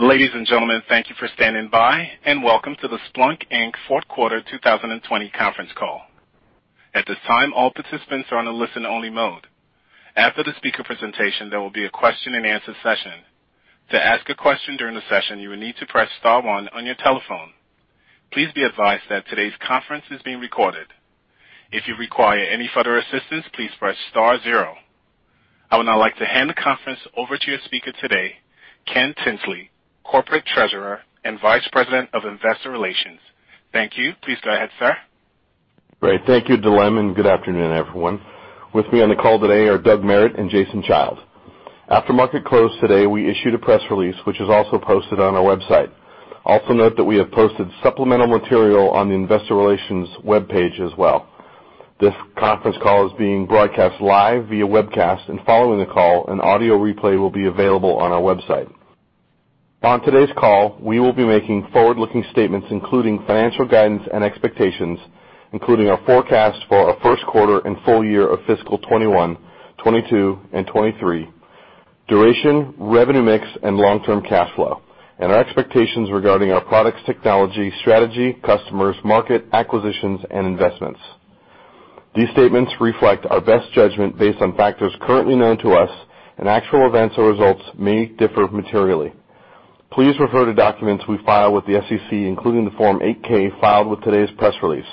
Ladies and gentlemen, thank you for standing by, and welcome to the Splunk Inc. Fourth Quarter 2020 Conference Call. At this time, all participants are on a listen only mode. After the speaker presentation, there will be a question and answer session. To ask a question during the session, you will need to press star one on your telephone. Please be advised that today's conference is being recorded. If you require any further assistance, please press star zero. I would now like to hand the conference over to your speaker today, Ken Tinsley, corporate treasurer and vice president of investor relations. Thank you. Please go ahead, sir. Great. Thank you, Dilen, good afternoon, everyone. With me on the call today are Doug Merritt and Jason Child. After market close today, we issued a press release, which is also posted on our website. Also note that we have posted supplemental material on the investor relations webpage as well. This conference call is being broadcast live via webcast, following the call, an audio replay will be available on our website. On today's call, we will be making forward-looking statements, including financial guidance and expectations, including our forecast for our first quarter and full year of fiscal 2021, 2022, and 2023, duration, revenue mix, and long-term cash flow, our expectations regarding our products technology, strategy, customers, market acquisitions, and investments. These statements reflect our best judgment based on factors currently known to us, actual events or results may differ materially. Please refer to documents we file with the SEC, including the Form 8-K filed with today's press release.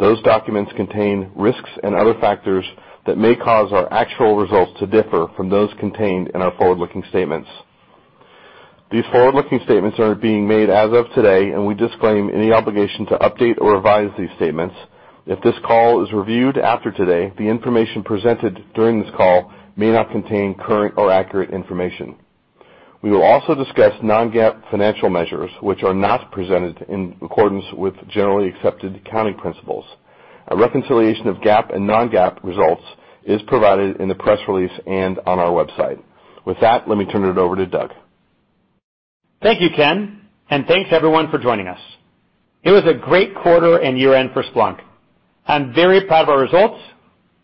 Those documents contain risks and other factors that may cause our actual results to differ from those contained in our forward-looking statements. These forward-looking statements are being made as of today, and we disclaim any obligation to update or revise these statements. If this call is reviewed after today, the information presented during this call may not contain current or accurate information. We will also discuss non-GAAP financial measures which are not presented in accordance with generally accepted accounting principles. A reconciliation of GAAP and non-GAAP results is provided in the press release and on our website. With that, let me turn it over to Doug. Thank you, Ken. Thanks everyone for joining us. It was a great quarter and year-end for Splunk. I'm very proud of our results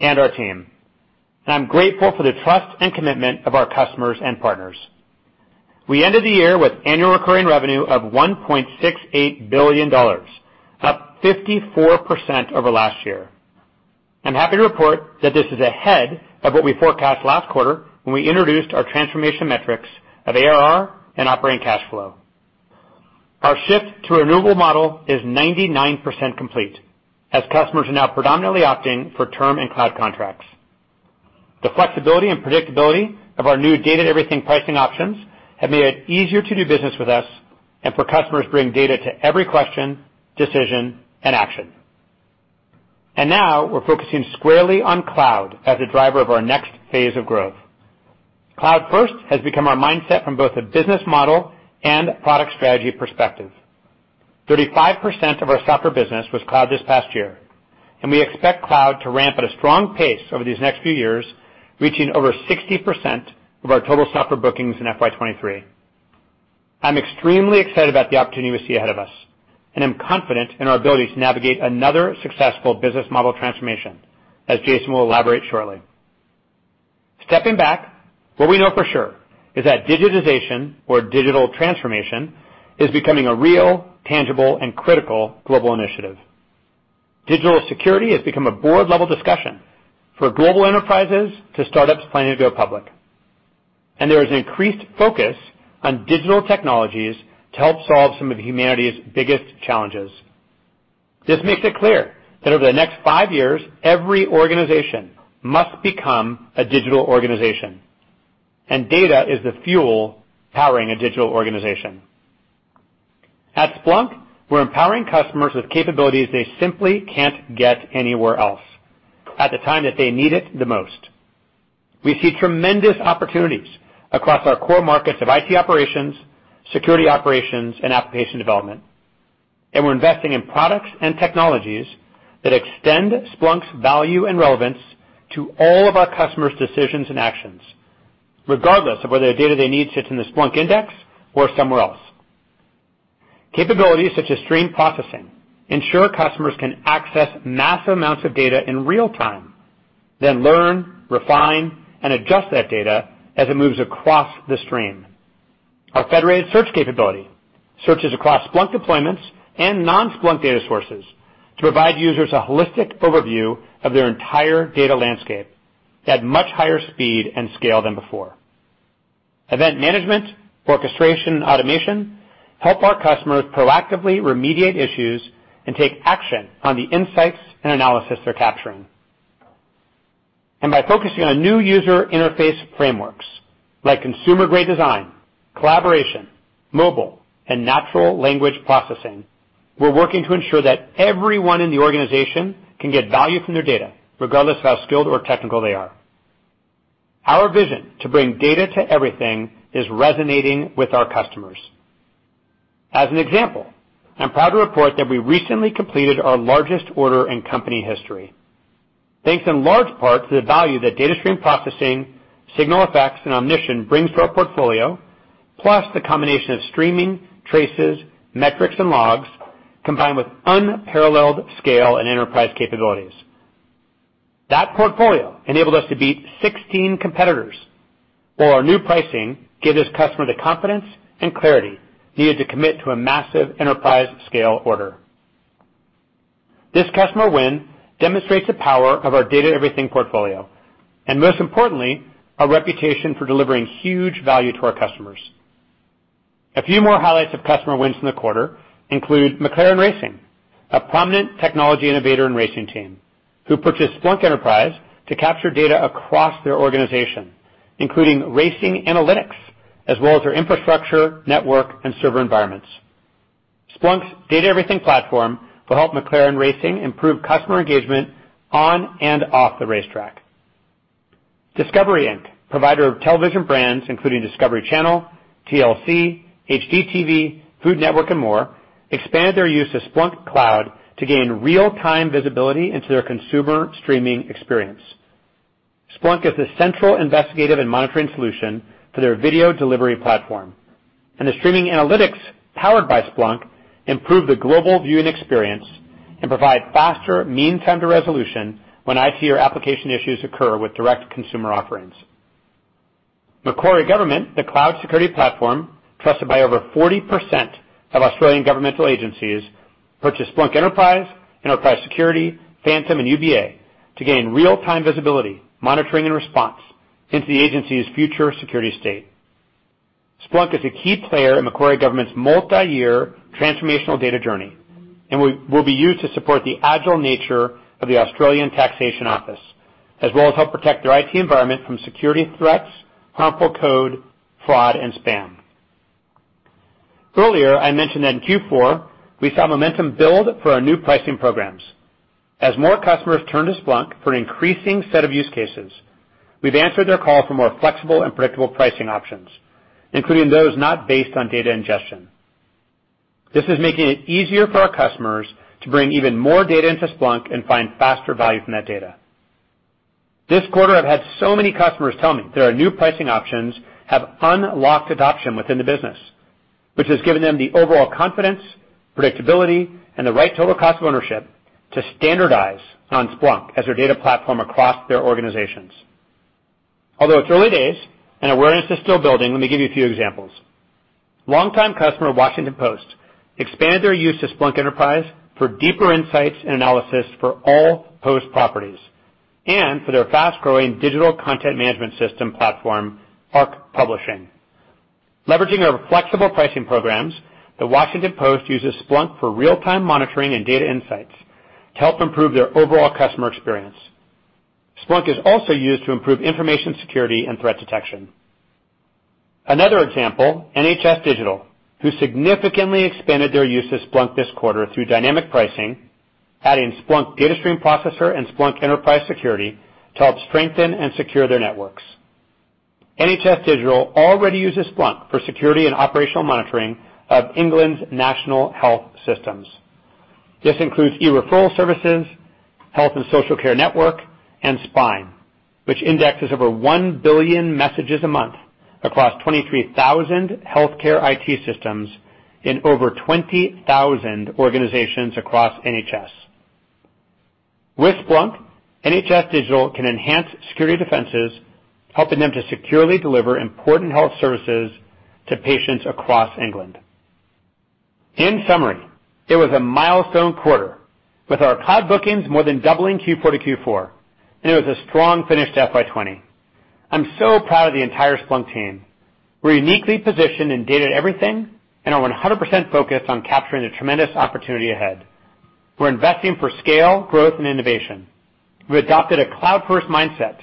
and our team, and I'm grateful for the trust and commitment of our customers and partners. We ended the year with annual recurring revenue of $1.68 billion, up 54% over last year. I'm happy to report that this is ahead of what we forecast last quarter when we introduced our transformation metrics of ARR and operating cash flow. Our shift to a renewable model is 99% complete, as customers are now predominantly opting for term and cloud contracts. The flexibility and predictability of our new data everything pricing options have made it easier to do business with us and for customers bring data to every question, decision, and action. Now we're focusing squarely on cloud as the driver of our next phase of growth. Cloud First has become our mindset from both a business model and product strategy perspective. 35% of our software business was cloud this past year, and we expect cloud to ramp at a strong pace over these next few years, reaching over 60% of our total software bookings in FY 2023. I'm extremely excited about the opportunity we see ahead of us, and I'm confident in our ability to navigate another successful business model transformation, as Jason will elaborate shortly. Stepping back, what we know for sure is that digitization or digital transformation is becoming a real, tangible, and critical global initiative. Digital security has become a board-level discussion for global enterprises to startups planning to go public. There is an increased focus on digital technologies to help solve some of humanity's biggest challenges. This makes it clear that over the next five years, every organization must become a digital organization. Data is the fuel powering a digital organization. At Splunk, we're empowering customers with capabilities they simply can't get anywhere else at the time that they need it the most. We see tremendous opportunities across our core markets of IT operations, security operations, and application development. We're investing in products and technologies that extend Splunk's value and relevance to all of our customers' decisions and actions, regardless of whether the data they need sits in the Splunk index or somewhere else. Capabilities such as stream processing ensure customers can access massive amounts of data in real time, then learn, refine, and adjust that data as it moves across the stream. Our Federated Search capability searches across Splunk deployments and non-Splunk data sources to provide users a holistic overview of their entire data landscape at much higher speed and scale than before. Event management, orchestration, and automation help our customers proactively remediate issues and take action on the insights and analysis they're capturing. By focusing on new user interface frameworks like consumer-grade design, collaboration, mobile, and natural language processing, we're working to ensure that everyone in the organization can get value from their data, regardless of how skilled or technical they are. Our vision to bring data to everything is resonating with our customers. As an example, I'm proud to report that we recently completed our largest order in company history. Thanks in large part to the value that Data Stream Processing, SignalFx, and Omnition brings to our portfolio, plus the combination of streaming, traces, metrics, and logs, combined with unparalleled scale and enterprise capabilities. That portfolio enabled us to beat 16 competitors, while our new pricing gave this customer the confidence and clarity needed to commit to a massive enterprise scale order. This customer win demonstrates the power of our Data Everything portfolio. Most importantly, our reputation for delivering huge value to our customers. A few more highlights of customer wins in the quarter include McLaren Racing, a prominent technology innovator and racing team, who purchased Splunk Enterprise to capture data across their organization, including racing analytics, as well as their infrastructure, network, and server environments. Splunk's Data Everything platform will help McLaren Racing improve customer engagement on and off the racetrack. Discovery, Inc., provider of television brands including Discovery Channel, TLC, HGTV, Food Network, and more, expanded their use of Splunk Cloud to gain real-time visibility into their consumer streaming experience. Splunk is the central investigative and monitoring solution for their video delivery platform, and the streaming analytics powered by Splunk improve the global viewing experience and provide faster mean time to resolution when IT or application issues occur with direct consumer offerings. Macquarie Government, the cloud security platform trusted by over 40% of Australian government agencies, purchased Splunk Enterprise, Splunk Enterprise Security, Splunk Phantom, and Splunk UBA to gain real-time visibility, monitoring, and response into the agency's future security state. Splunk is a key player in Macquarie Government's multi-year transformational data journey, and will be used to support the agile nature of the Australian Taxation Office, as well as help protect their IT environment from security threats, harmful code, fraud, and spam. Earlier, I mentioned that in Q4, we saw momentum build for our new pricing programs. As more customers turn to Splunk for an increasing set of use cases, we've answered their call for more flexible and predictable pricing options, including those not based on data ingestion. This is making it easier for our customers to bring even more data into Splunk and find faster value from that data. This quarter, I've had so many customers tell me their new pricing options have unlocked adoption within the business, which has given them the overall confidence, predictability, and the right total cost of ownership to standardize on Splunk as their data platform across their organizations. Although it's early days and awareness is still building, let me give you a few examples. Longtime customer, The Washington Post, expanded their use to Splunk Enterprise for deeper insights and analysis for all Post properties, and for their fast-growing digital content management system platform, Arc Publishing. Leveraging our flexible pricing programs, The Washington Post uses Splunk for real-time monitoring and data insights to help improve their overall customer experience. Splunk is also used to improve information security and threat detection. Another example, NHS Digital, who significantly expanded their use of Splunk this quarter through dynamic pricing, adding Splunk Data Stream Processor and Splunk Enterprise Security to help strengthen and secure their networks. NHS Digital already uses Splunk for security and operational monitoring of England's national health systems. This includes e-referral services, health and social care network, and SPINE, which indexes over 1 billion messages a month across 23,000 healthcare IT systems in over 20,000 organizations across NHS. With Splunk, NHS Digital can enhance security defenses, helping them to securely deliver important health services to patients across England. In summary, it was a milestone quarter, with our cloud bookings more than doubling Q4 to Q4. It was a strong finish to FY 2020. I'm so proud of the entire Splunk team. We're uniquely positioned in data everything and are 100% focused on capturing the tremendous opportunity ahead. We're investing for scale, growth, and innovation. We adopted a cloud first mindset.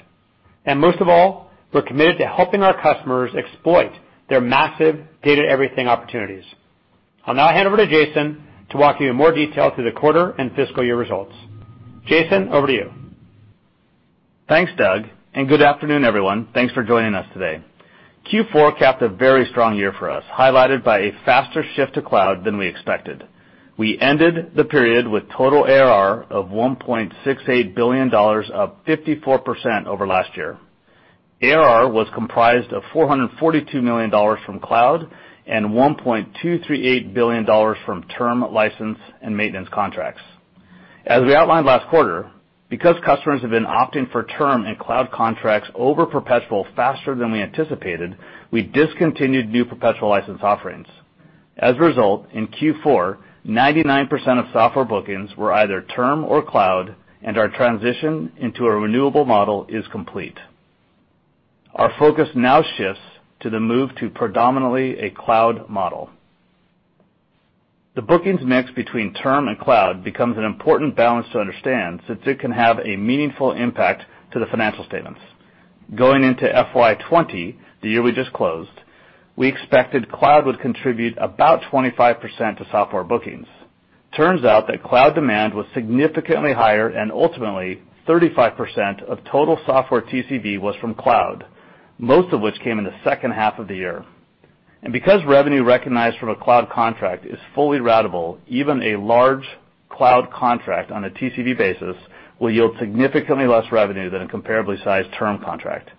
Most of all, we're committed to helping our customers exploit their massive data everything opportunities. I'll now hand over to Jason to walk you in more detail through the quarter and fiscal year results. Jason, over to you. Thanks, Doug, good afternoon, everyone. Thanks for joining us today. Q4 capped a very strong year for us, highlighted by a faster shift to cloud than we expected. We ended the period with total ARR of $1.68 billion, up 54% over last year. ARR was comprised of $442 million from cloud and $1.238 billion from term license and maintenance contracts. As we outlined last quarter, because customers have been opting for term and cloud contracts over perpetual faster than we anticipated, we discontinued new perpetual license offerings. As a result, in Q4, 99% of software bookings were either term or cloud, and our transition into a renewable model is complete. Our focus now shifts to the move to predominantly a cloud model. The bookings mix between term and cloud becomes an important balance to understand, since it can have a meaningful impact to the financial statements. Going into FY 2020, the year we just closed, we expected cloud would contribute about 25% to software bookings. Ultimately, 35% of total software TCV was from cloud, most of which came in the second half of the year. Because revenue recognized from a cloud contract is fully ratable, even a large cloud contract on a TCV basis will yield significantly less revenue than a comparably sized term contract.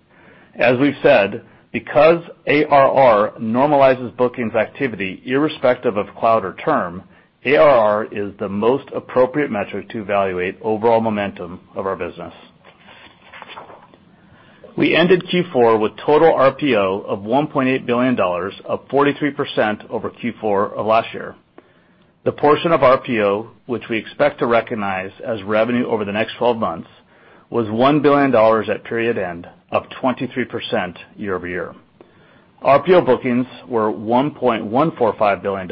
As we've said, because ARR normalizes bookings activity irrespective of cloud or term, ARR is the most appropriate metric to evaluate overall momentum of our business. We ended Q4 with total RPO of $1.8 billion, up 43% over Q4 of last year. The portion of RPO, which we expect to recognize as revenue over the next 12 months, was $1 billion at period end, up 23% year-over-year. RPO bookings were $1.145 billion,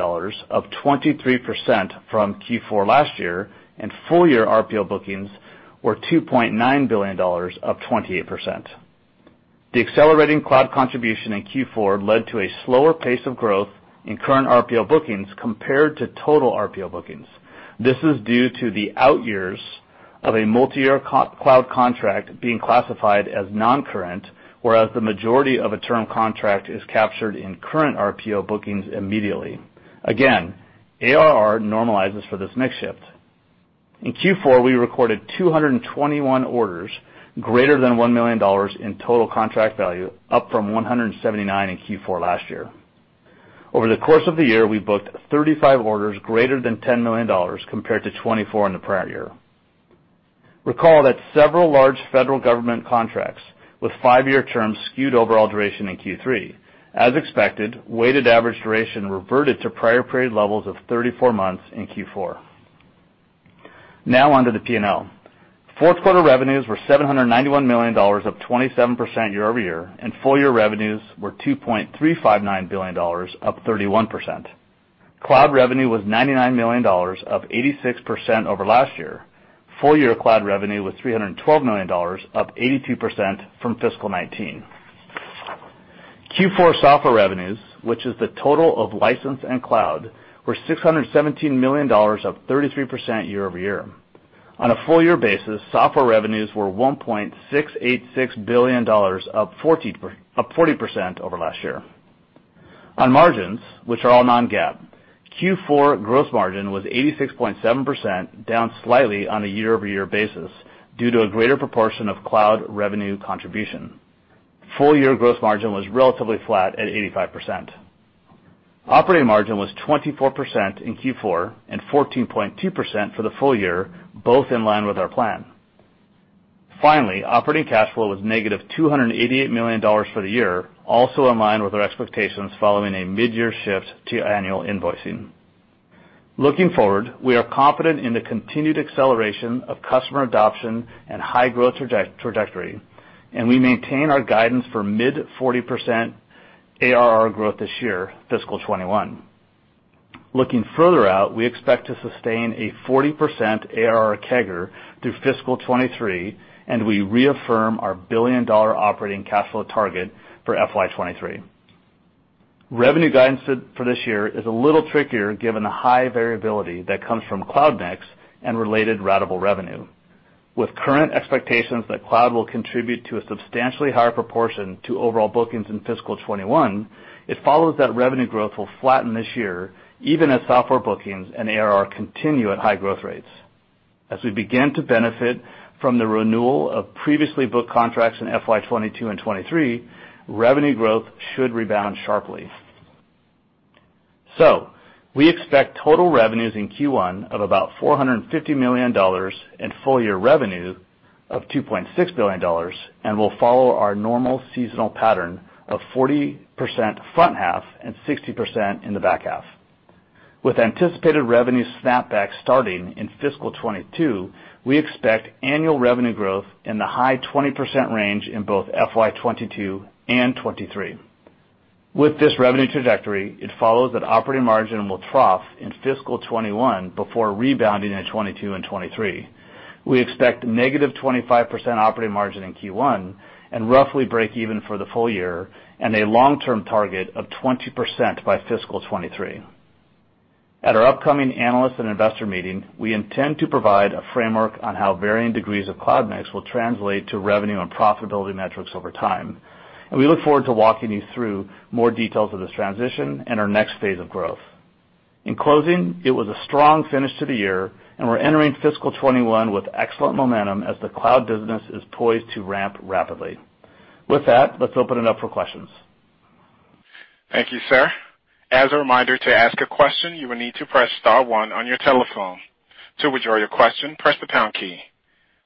up 23% from Q4 last year, and full year RPO bookings were $2.9 billion, up 28%. The accelerating cloud contribution in Q4 led to a slower pace of growth in current RPO bookings compared to total RPO bookings. This is due to the out years of a multi-year cloud contract being classified as non-current, whereas the majority of a term contract is captured in current RPO bookings immediately. Again, ARR normalizes for this mix shift. In Q4, we recorded 221 orders, greater than $1 million in total contract value, up from 179 in Q4 last year. Over the course of the year, we booked 35 orders greater than $10 million compared to 24 in the prior year. Recall that several large federal government contracts, with five-year terms skewed overall duration in Q3. As expected, weighted average duration reverted to prior period levels of 34 months in Q4. Now on to the P&L. Fourth quarter revenues were $791 million, up 27% year-over-year, and full year revenues were $2.359 billion, up 31%. Cloud revenue was $99 million, up 86% over last year. Full year cloud revenue was $312 million, up 82% from fiscal 2019. Q4 software revenues, which is the total of license and cloud, were $617 million, up 33% year-over-year. On a full year basis, software revenues were $1.686 billion, up 40% over last year. On margins, which are all non-GAAP, Q4 gross margin was 86.7%, down slightly on a year-over-year basis due to a greater proportion of cloud revenue contribution. Full year gross margin was relatively flat at 85%. Operating margin was 24% in Q4 and 14.2% for the full year, both in line with our plan. Finally, operating cash flow was negative $288 million for the year, also in line with our expectations following a mid-year shift to annual invoicing. Looking forward, we are confident in the continued acceleration of customer adoption and high growth trajectory, and we maintain our guidance for mid 40% ARR growth this year, fiscal 2021. Looking further out, we expect to sustain a 40% ARR CAGR through fiscal 2023, and we reaffirm our billion-dollar operating cash flow target for FY 2023. Revenue guidance for this year is a little trickier given the high variability that comes from cloud mix and related ratable revenue. With current expectations that cloud will contribute to a substantially higher proportion to overall bookings in fiscal 2021, it follows that revenue growth will flatten this year even as software bookings and ARR continue at high growth rates. As we begin to benefit from the renewal of previously booked contracts in FY 2022 and 2023, revenue growth should rebound sharply. We expect total revenues in Q1 of about $450 million and full year revenue of $2.6 billion, and will follow our normal seasonal pattern of 40% front half and 60% in the back half. With anticipated revenue snapback starting in fiscal 2022, we expect annual revenue growth in the high 20% range in both FY 2022 and 2023. With this revenue trajectory, it follows that operating margin will trough in fiscal 2021 before rebounding in 2022 and 2023. We expect -25% operating margin in Q1 and roughly break even for the full year and a long-term target of 20% by fiscal 2023. At our upcoming analyst and investor meeting, we intend to provide a framework on how varying degrees of cloud mix will translate to revenue and profitability metrics over time, and we look forward to walking you through more details of this transition and our next phase of growth. In closing, it was a strong finish to the year, and we're entering fiscal 2021 with excellent momentum as the cloud business is poised to ramp rapidly. With that, let's open it up for questions. Thank you, sir. As a reminder, to ask a question, you will need to press star one on your telephone. To withdraw your question, press the pound key.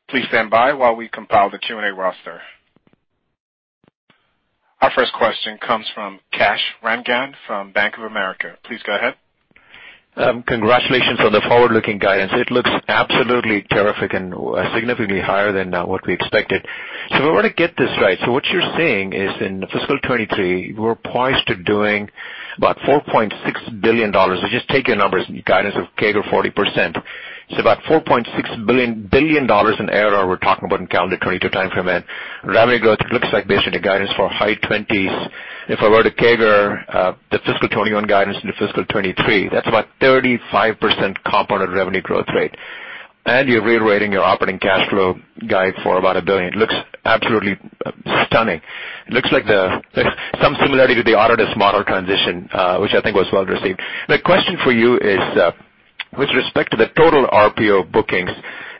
Please stand by while we compile the Q&A roster. Our first question comes from Kash Rangan from Bank of America. Please go ahead. Congratulations on the forward-looking guidance. It looks absolutely terrific and significantly higher than what we expected. If I were to get this right, what you're saying is in fiscal 2023, you are poised to doing about $4.6 billion. Just take your numbers, guidance of CAGR 40%. About $4.6 billion in ARR we're talking about in calendar 2022 time frame, and revenue growth looks like basically the guidance for high 20s%. If I were to CAGR the fiscal 2021 guidance into fiscal 2023, that's about 35% compounded revenue growth rate. You're reiterating your operating cash flow guide for about $1 billion. It looks absolutely stunning. It looks like there's some similarity to the Adobe model transition, which I think was well received. My question for you isWith respect to the total RPO bookings,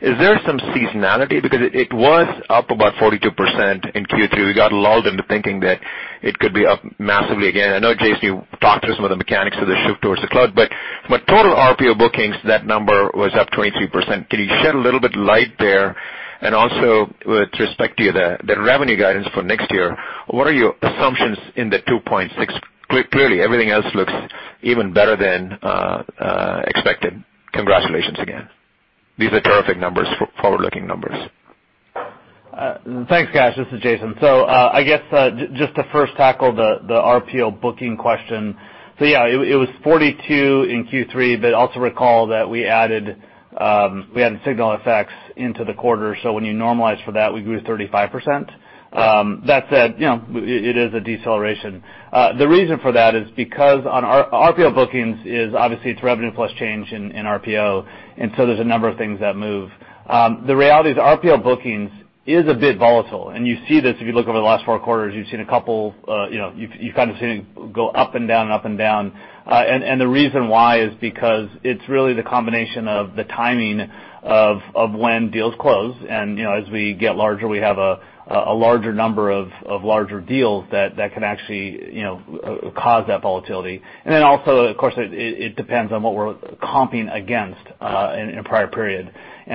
is there some seasonality? Because it was up about 42% in Q2. We got lulled into thinking that it could be up massively again. I know, Jason, you talked through some of the mechanics of the shift towards the cloud. Total RPO bookings, that number was up 23%. Can you shed a little bit light there? Also, with respect to the revenue guidance for next year, what are your assumptions in the $2.6? Clearly, everything else looks even better than expected. Congratulations again. These are terrific numbers, forward-looking numbers. Thanks, Kash. This is Jason. I guess just to first tackle the RPO booking question. Yeah, it was 42 in Q3, but also recall that we added SignalFx into the quarter. When you normalize for that, we grew 35%. That said, it is a deceleration. The reason for that is because RPO bookings is obviously, it's revenue plus change in RPO, there's a number of things that move. The reality is RPO bookings is a bit volatile, you see this if you look over the last four quarters, you've seen it go up and down. The reason why is because it's really the combination of the timing of when deals close. As we get larger, we have a larger number of larger deals that can actually cause that volatility. Also, of course, it depends on what we're comping against in a prior period.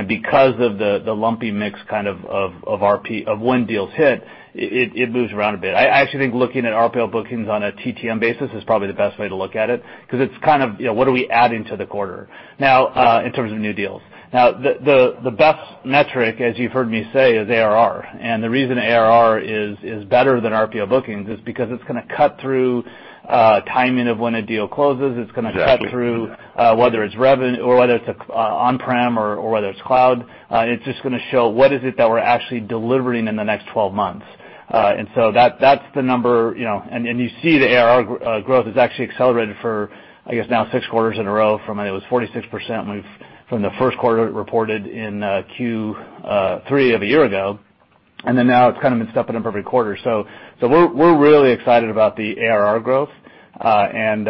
Because of the lumpy mix of when deals hit, it moves around a bit. I actually think looking at RPO bookings on a TTM basis is probably the best way to look at it because it's kind of what are we adding to the quarter in terms of new deals. Now, the best metric, as you've heard me say, is ARR. The reason ARR is better than RPO bookings is because it's going to cut through timing of when a deal closes. Exactly. It's going to cut through whether it's on-prem or whether it's cloud. It's just going to show what is it that we're actually delivering in the next 12 months. That's the number. You see the ARR growth has actually accelerated for, I guess, now six quarters in a row from, it was 46% from the first quarter it reported in Q3 of a year ago. Now it's kind of been stepping up every quarter. We're really excited about the ARR growth. Clearly.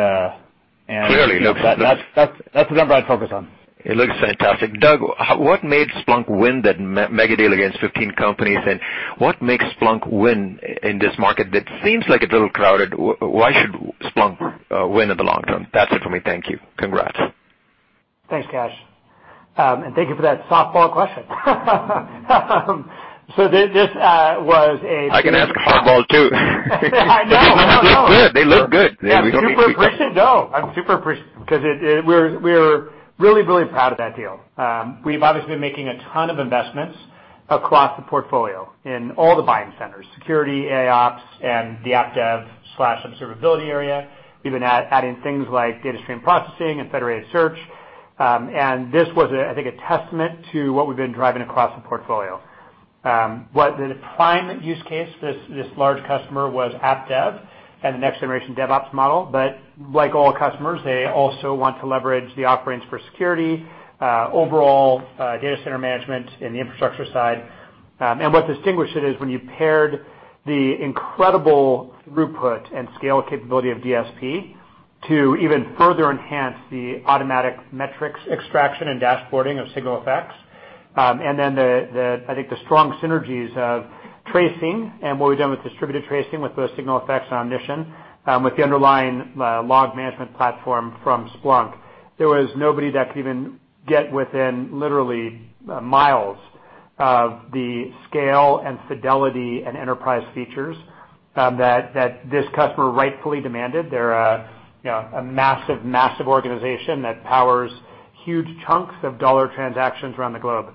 That's the number I'd focus on. It looks fantastic. Doug, what made Splunk win that mega deal against 15 companies? What makes Splunk win in this market that seems like a little crowded? Why should Splunk win in the long term? That's it for me. Thank you. Congrats. Thanks, Kash. Thank you for that softball question. I can ask a softball too. I know. They look good. I'm super appreciative, though. I'm super appreciative because we're really proud of that deal. We've obviously been making a ton of investments across the portfolio in all the buying centers, security, AIOps, and the app dev/observability area. We've been adding things like data stream processing and Federated Search. This was, I think, a testament to what we've been driving across the portfolio. The prime use case, this large customer was app dev and the next generation DevOps model. Like all customers, they also want to leverage the offerings for security, overall data center management in the infrastructure side. What distinguished it is when you paired the incredible throughput and scale capability of DSP to even further enhance the automatic metrics extraction and dashboarding of SignalFx. Then I think the strong synergies of tracing and what we've done with distributed tracing with both SignalFx and Omnition, with the underlying log management platform from Splunk. There was nobody that could even get within literally miles of the scale and fidelity and enterprise features that this customer rightfully demanded. They're a massive organization that powers huge chunks of dollar transactions around the globe.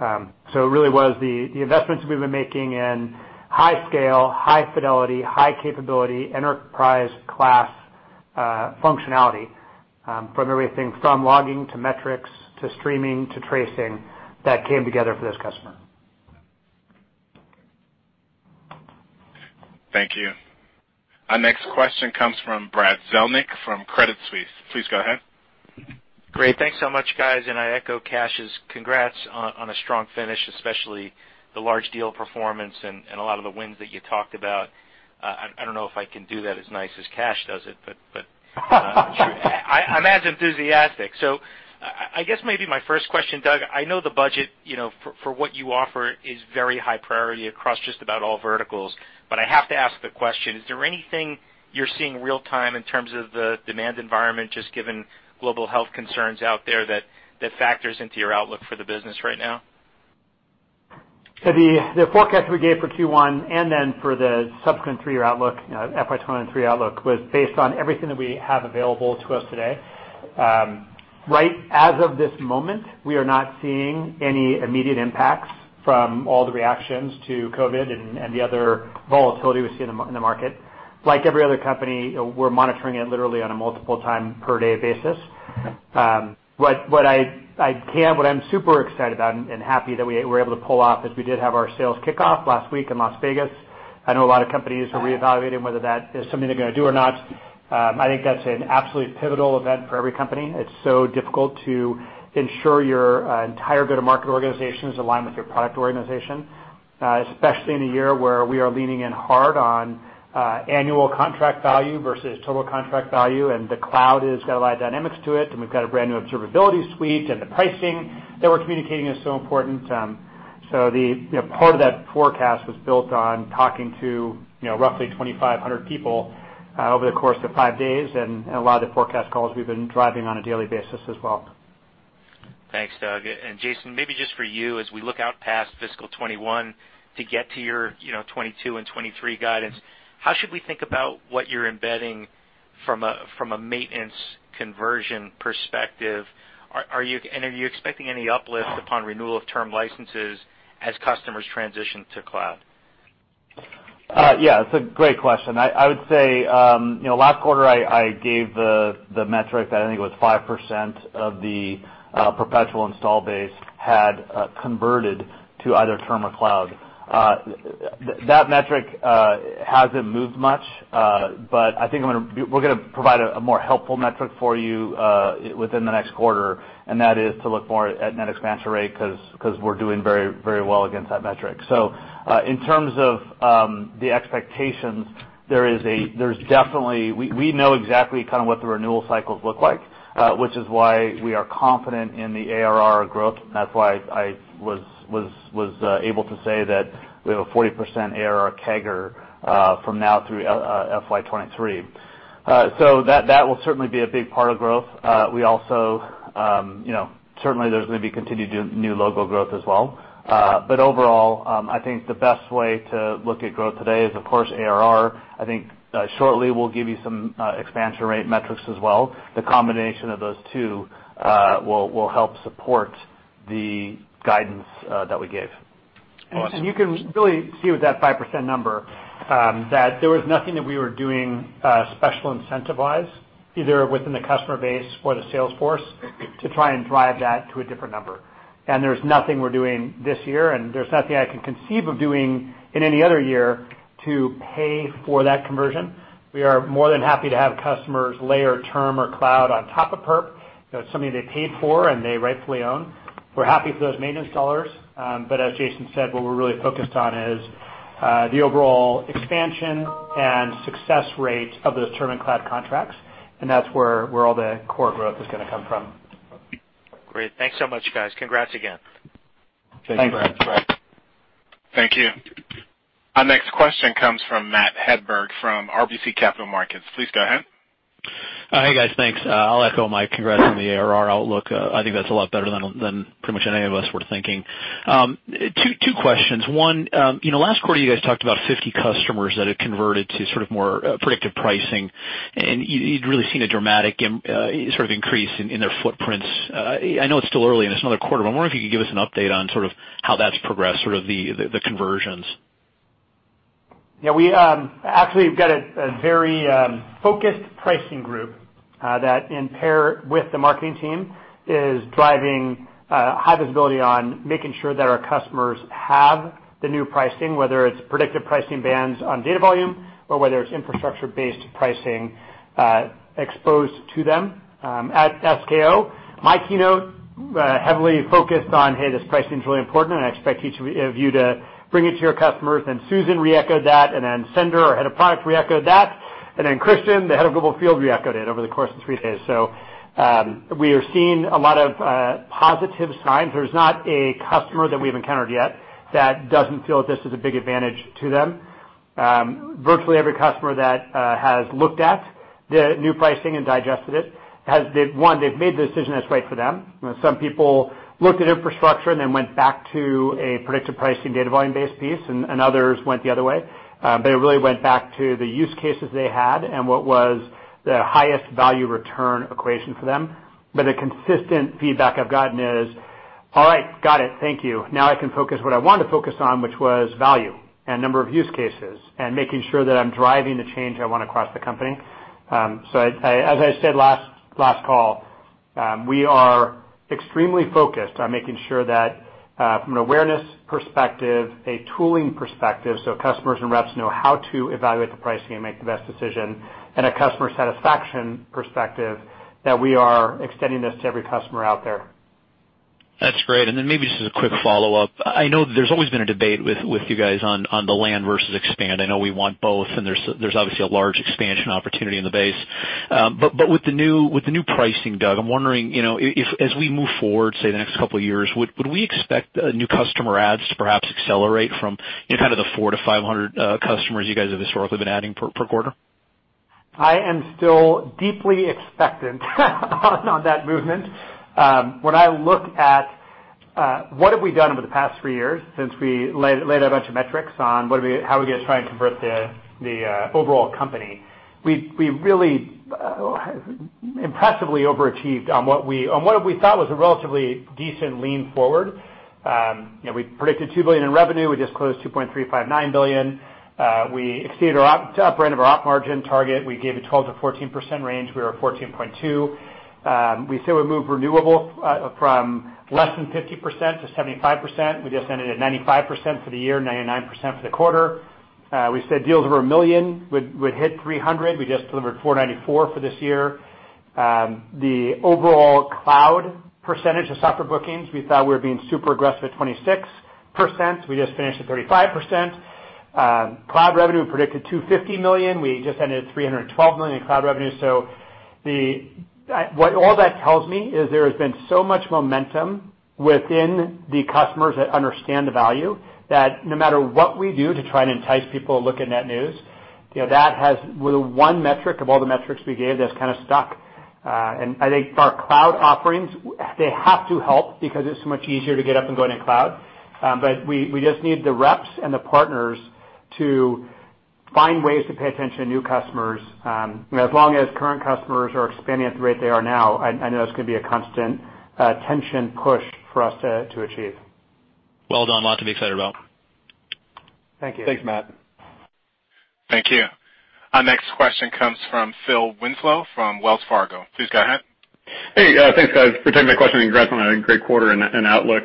It really was the investments we've been making in high scale, high fidelity, high capability, enterprise class functionality from everything from logging, to metrics, to streaming, to tracing that came together for this customer. Thank you. Our next question comes from Brad Zelnick from Credit Suisse. Please go ahead. Great. Thanks so much, guys. I echo Kash's congrats on a strong finish, especially the large deal performance and a lot of the wins that you talked about. I don't know if I can do that as nice as Kash does it. I'm as enthusiastic. I guess maybe my first question, Doug, I know the budget for what you offer is very high priority across just about all verticals, but I have to ask the question, is there anything you're seeing real time in terms of the demand environment, just given global health concerns out there that factors into your outlook for the business right now? The forecast we gave for Q1 and then for the subsequent three-year outlook, FY 2023 outlook, was based on everything that we have available to us today. Right as of this moment, we are not seeing any immediate impacts from all the reactions to COVID and the other volatility we see in the market. Like every other company, we're monitoring it literally on a multiple time per day basis. What I'm super excited about and happy that we were able to pull off is we did have our Sales Kickoff last week in Las Vegas. I know a lot of companies are reevaluating whether that is something they're going to do or not. I think that's an absolutely pivotal event for every company. It's so difficult to ensure your entire go-to-market organization is aligned with your product organization. Especially in a year where we are leaning in hard on annual contract value versus total contract value, and the cloud has got a lot of dynamics to it, and we've got a brand-new observability suite, and the pricing that we're communicating is so important. Part of that forecast was built on talking to roughly 2,500 people over the course of five days, and a lot of the forecast calls we've been driving on a daily basis as well. Thanks, Doug. Jason, maybe just for you, as we look out past fiscal 2021 to get to your 2022 and 2023 guidance, how should we think about what you're embedding from a maintenance conversion perspective? Are you expecting any uplift upon renewal of term licenses as customers transition to cloud? Yeah, it's a great question. I would say, last quarter I gave the metric, I think it was 5% of the perpetual install base had converted to either term or cloud. That metric hasn't moved much. I think we're going to provide a more helpful metric for you within the next quarter, and that is to look more at net expansion rate, because we're doing very well against that metric. In terms of the expectations, we know exactly kind of what the renewal cycles look like, which is why we are confident in the ARR growth, and that's why I was able to say that we have a 40% ARR CAGR from now through FY 2023. That will certainly be a big part of growth. Certainly there's going to be continued new logo growth as well. Overall, I think the best way to look at growth today is, of course, ARR. I think shortly we'll give you some expansion rate metrics as well. The combination of those two will help support the guidance that we gave. You can really see with that 5% number, that there was nothing that we were doing special incentive-wise, either within the customer base or the sales force, to try and drive that to a different number. There's nothing we're doing this year, and there's nothing I can conceive of doing in any other year to pay for that conversion. We are more than happy to have customers layer term or cloud on top of perp. It's something they paid for and they rightfully own. We're happy for those maintenance dollars. As Jason said, what we're really focused on is the overall expansion and success rate of those term and cloud contracts, and that's where all the core growth is going to come from. Great. Thanks so much, guys. Congrats again. Thank you. Thanks, Dilen. Thank you. Our next question comes from Matthew Hedberg from RBC Capital Markets. Please go ahead. Hi, guys. Thanks. I'll echo Dilen. Congrats on the ARR outlook. I think that's a lot better than pretty much any of us were thinking. Two questions. One, last quarter you guys talked about 50 customers that had converted to sort of more predictive pricing, and you'd really seen a dramatic sort of increase in their footprints. I know it's still early and it's another quarter, but I'm wondering if you could give us an update on sort of how that's progressed, sort of the conversions. We actually have got a very focused pricing group that in pair with the marketing team, is driving high visibility on making sure that our customers have the new pricing, whether it's predictive pricing bands on data volume or whether it's infrastructure-based pricing exposed to them. At SKO, my keynote heavily focused on, "Hey, this pricing's really important and I expect each of you to bring it to your customers." Susan re-echoed that, and then Sender, our head of product, re-echoed that, and then Christian, the head of global field, re-echoed it over the course of three days. We are seeing a lot of positive signs. There's not a customer that we've encountered yet that doesn't feel that this is a big advantage to them. Virtually every customer that has looked at the new pricing and digested it has, one, they've made the decision that's right for them. Some people looked at infrastructure and then went back to a predictive pricing data volume-based piece, and others went the other way. They really went back to the use cases they had and what was the highest value return equation for them. The consistent feedback I've gotten is, "All right. Got it. Thank you. I can focus what I want to focus on, which was value and number of use cases, and making sure that I'm driving the change I want across the company." As I said last call, we are extremely focused on making sure that from an awareness perspective, a tooling perspective, so customers and reps know how to evaluate the pricing and make the best decision, and a customer satisfaction perspective, that we are extending this to every customer out there. That's great. Maybe just as a quick follow-up. I know that there's always been a debate with you guys on the land versus expand. I know we want both, and there's obviously a large expansion opportunity in the base. With the new pricing, Doug, I'm wondering, if as we move forward, say, the next couple of years, would we expect new customer adds to perhaps accelerate from kind of the four to 500 customers you guys have historically been adding per quarter? I am still deeply expectant on that movement. When I look at what have we done over the past three years since we laid a bunch of metrics on how are we going to try and convert the overall company, we really impressively overachieved on what we thought was a relatively decent lean forward. We predicted $2 billion in revenue. We just closed $2.359 billion. We exceeded our top end of our op margin target. We gave a 12%-14% range. We were 14.2%. We said we'll move renewable from less than 50% to 75%. We just ended at 95% for the year, 99% for the quarter. We said deals over a million would hit 300. We just delivered 494 for this year. The overall cloud percentage of software bookings, we thought we were being super aggressive at 26%. We just finished at 35%. Cloud revenue predicted $250 million. We just ended at $312 million in cloud revenue. What all that tells me is there has been so much momentum within the customers that understand the value that no matter what we do to try and entice people to look at net new, that has, with one metric of all the metrics we gave, that's kind of stuck. I think for our cloud offerings, they have to help because it's so much easier to get up and go into cloud. We just need the reps and the partners to find ways to pay attention to new customers. As long as current customers are expanding at the rate they are now, I know that's going to be a constant tension push for us to achieve. Well done. A lot to be excited about. Thank you. Thanks, Matt. Thank you. Our next question comes from Philip Winslow from Wells Fargo. Please go ahead. Hey, thanks guys for taking my question. Congrats on a great quarter and outlook.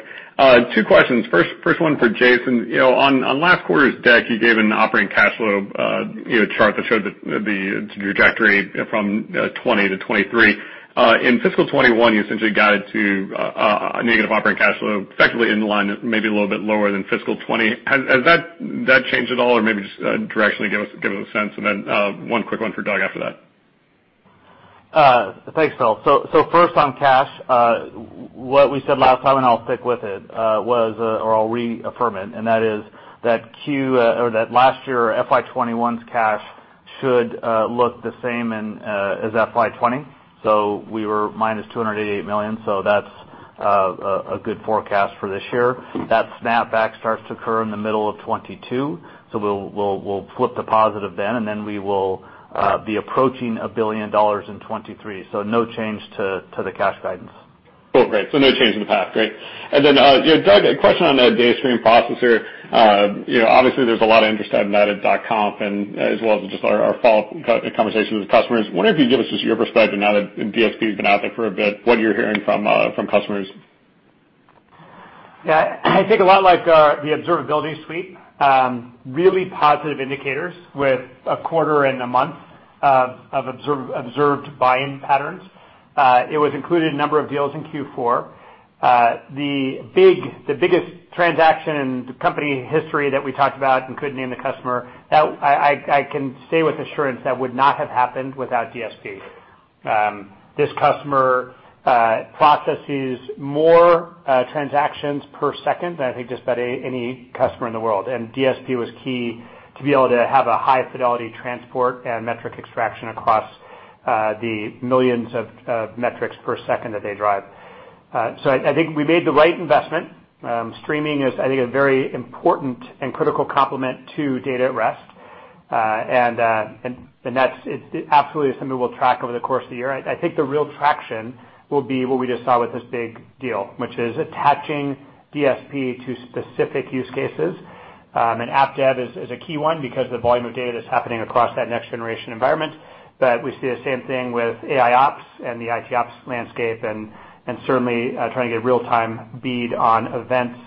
Two questions. First one for Jason. On last quarter's deck, you gave an operating cash flow chart that showed the trajectory from 2020 to 2023. In fiscal 2021, you essentially guided to a negative operating cash flow effectively in line, maybe a little bit lower than fiscal 2020. Has that changed at all or maybe just directionally, give us a sense and then, one quick one for Doug after that. Thanks, Phil. First on cash, what we said last time and I'll stick with it, or I'll reaffirm it, and that is that last year, FY 2021's cash should look the same as FY 2020. We were minus $288 million. That snapback starts to occur in the middle of 2022. We'll flip to positive then, and then we will be approaching $1 billion in 2023. No change to the cash guidance. Great. No change in the path. Great. Doug, a question on the Data Stream Processor. Obviously there's a lot of interest out in that at .conf and as well as just our follow-up conversations with customers. Wondering if you could give us just your perspective now that DSP has been out there for a bit, what you're hearing from customers. I think a lot like the Observability Suite, really positive indicators with a quarter and a month of observed buying patterns. It was included in a number of deals in Q4. The biggest transaction in the company history that we talked about and couldn't name the customer, I can say with assurance that would not have happened without DSP. This customer processes more transactions per second than I think just about any customer in the world. DSP was key to be able to have a high fidelity transport and metric extraction across the millions of metrics per second that they drive. I think we made the right investment. Streaming is, I think, a very important and critical complement to data at rest. That's absolutely something we'll track over the course of the year. I think the real traction will be what we just saw with this big deal, which is attaching DSP to specific use cases. AppDev is a key one because the volume of data that's happening across that next generation environment. We see the same thing with AIOps and the ITOps landscape and certainly trying to get real-time bead on events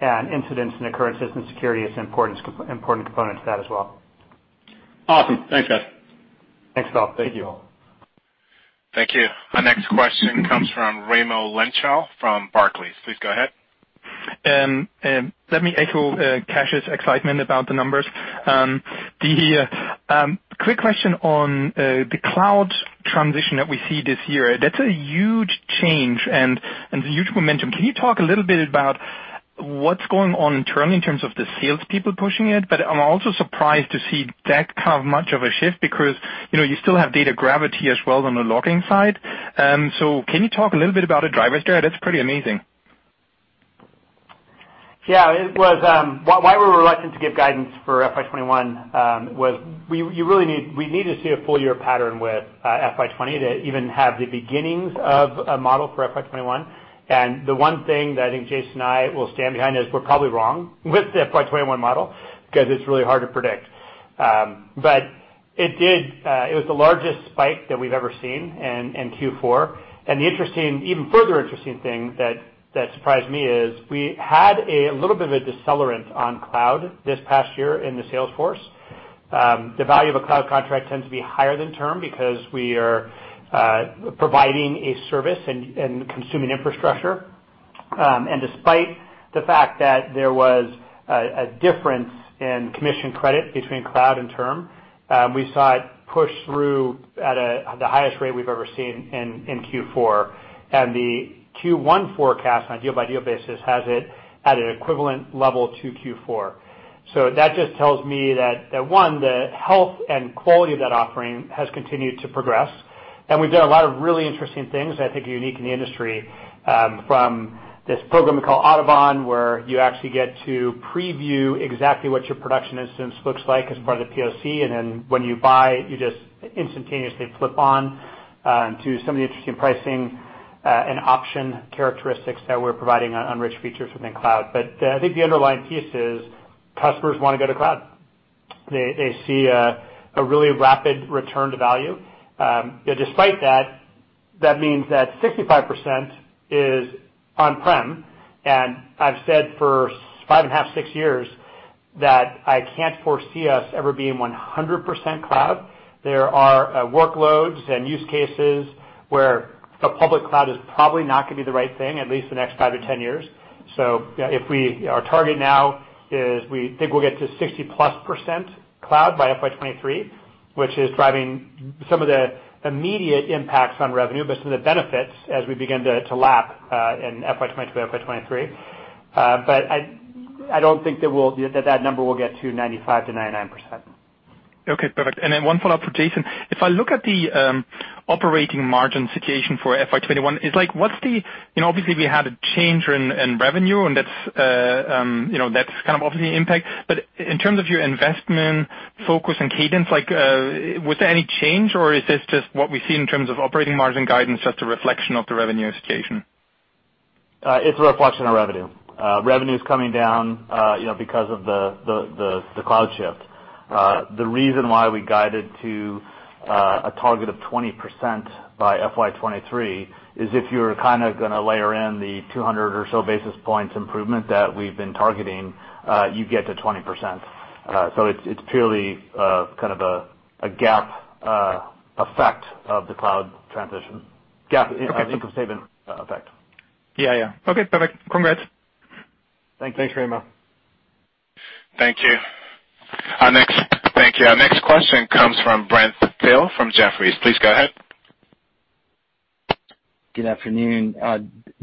and incidents and occurrences, and security is an important component to that as well. Awesome. Thanks, guys. Thanks, Phil. Thank you all. Thank you. Our next question comes from Raimo Lenschow from Barclays. Please go ahead. Let me echo Kash's excitement about the numbers. Quick question on the cloud transition that we see this year. That's a huge change and huge momentum. Can you talk a little bit about what's going on internally in terms of the salespeople pushing it, but I'm also surprised to see that have much of a shift because you still have data gravity as well on the logging side. Can you talk a little bit about the drivers there? That's pretty amazing. Yeah, why we're reluctant to give guidance for FY 2021 was we need to see a full-year pattern with FY 2020 to even have the beginnings of a model for FY 2021. The one thing that I think Jason and I will stand behind is we're probably wrong with the FY 2021 model because it's really hard to predict. It was the largest spike that we've ever seen in Q4. The even further interesting thing that surprised me is we had a little bit of a decelerant on cloud this past year in the sales force. The value of a cloud contract tends to be higher than term because we are providing a service and consuming infrastructure. Despite the fact that there was a difference in commission credit between cloud and term, we saw it push through at the highest rate we've ever seen in Q4. The Q1 forecast on a deal-by-deal basis has it at an equivalent level to Q4. That just tells me that, one, the health and quality of that offering has continued to progress. We've done a lot of really interesting things that I think are unique in the industry from this program we call Audubon, where you actually get to preview exactly what your production instance looks like as part of the POC, and then when you buy, you just instantaneously flip on to some of the interesting pricing and option characteristics that we're providing on rich features within cloud. I think the underlying piece is customers want to go to cloud. They see a really rapid return to value. Despite that means that 65% is on-prem, and I've said for five and a half, six years that I can't foresee us ever being 100% cloud. There are workloads and use cases where a public cloud is probably not going to be the right thing, at least the next 5 to 10 years. Our target now is we think we'll get to 60%+ cloud by FY 2023, which is driving some of the immediate impacts on revenue, but some of the benefits as we begin to lap in FY 2022, FY 2023. I don't think that number will get to 95%-99%. Okay, perfect. One follow-up for Jason. If I look at the operating margin situation for FY 2021, obviously we had a change in revenue and that's obviously impact. In terms of your investment focus and cadence, was there any change or is this just what we see in terms of operating margin guidance, just a reflection of the revenue situation? It's a reflection of revenue. Revenue's coming down because of the cloud shift. The reason why we guided to a target of 20% by FY 2023 is if you're going to layer in the 200 or so basis points improvement that we've been targeting, you get to 20%. It's purely kind of a GAAP effect of the cloud transition. GAAP income statement effect. Yeah. Okay, perfect. Congrats. Thanks. Thanks, Raimo. Thank you. Our next question comes from Brent Thill from Jefferies. Please go ahead. Good afternoon.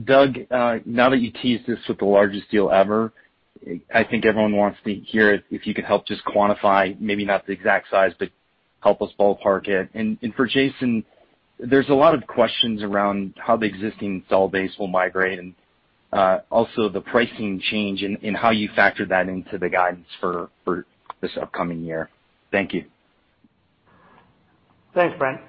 Doug, now that you teased this with the largest deal ever, I think everyone wants to hear if you could help just quantify, maybe not the exact size, but help us ballpark it. For Jason, there's a lot of questions around how the existing install base will migrate and also the pricing change and how you factor that into the guidance for this upcoming year. Thank you. Thanks, Brent.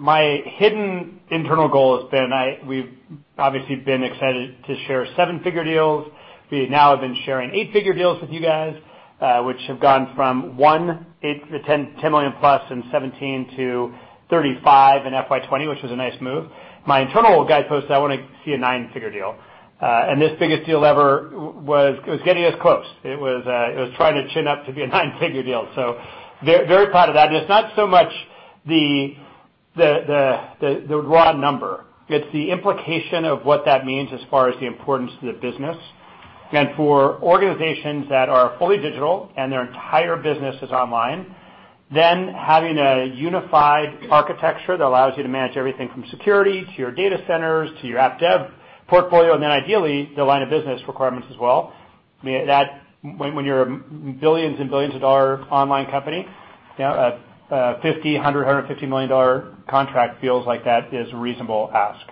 My hidden internal goal has been, we've obviously been excited to share 7-figure deals. We now have been sharing 8-figure deals with you guys, which have gone from one, $10 million-plus in 2017 to 35 in FY 2020, which was a nice move. My internal guidepost is I want to see a 9-figure deal. This biggest deal ever was getting us close. It was trying to chin up to be a 9-figure deal, so very proud of that. It's not so much the raw number. It's the implication of what that means as far as the importance to the business. For organizations that are fully digital and their entire business is online, then having a unified architecture that allows you to manage everything from security to your data centers to your app dev portfolio, and then ideally the line of business requirements as well, when you're a billions and billions of dollar online company, a $50, $100, $150 million contract feels like that is a reasonable ask.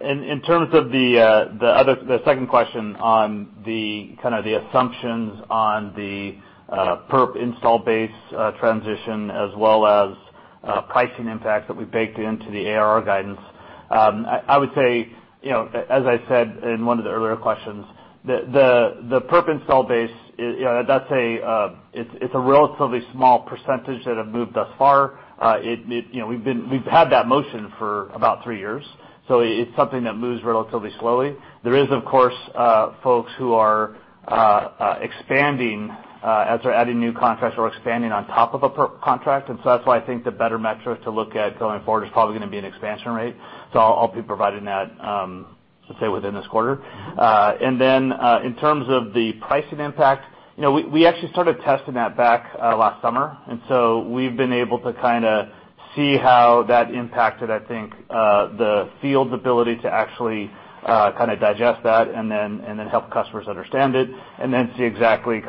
In terms of the second question on the assumptions on the perp install base transition as well as pricing impacts that we baked into the ARR guidance, I would say, as I said in one of the earlier questions, the perp install base, it's a relatively small percentage that have moved thus far. We've had that motion for about three years, so it's something that moves relatively slowly. There is, of course, folks who are expanding as they're adding new contracts or expanding on top of a perp contract, and so that's why I think the better metric to look at going forward is probably going to be an expansion rate. I'll be providing that, let's say, within this quarter. In terms of the pricing impact, we actually started testing that back last summer, and so we've been able to kind of see how that impacted, I think, the field's ability to actually kind of digest that and then help customers understand it and then see exactly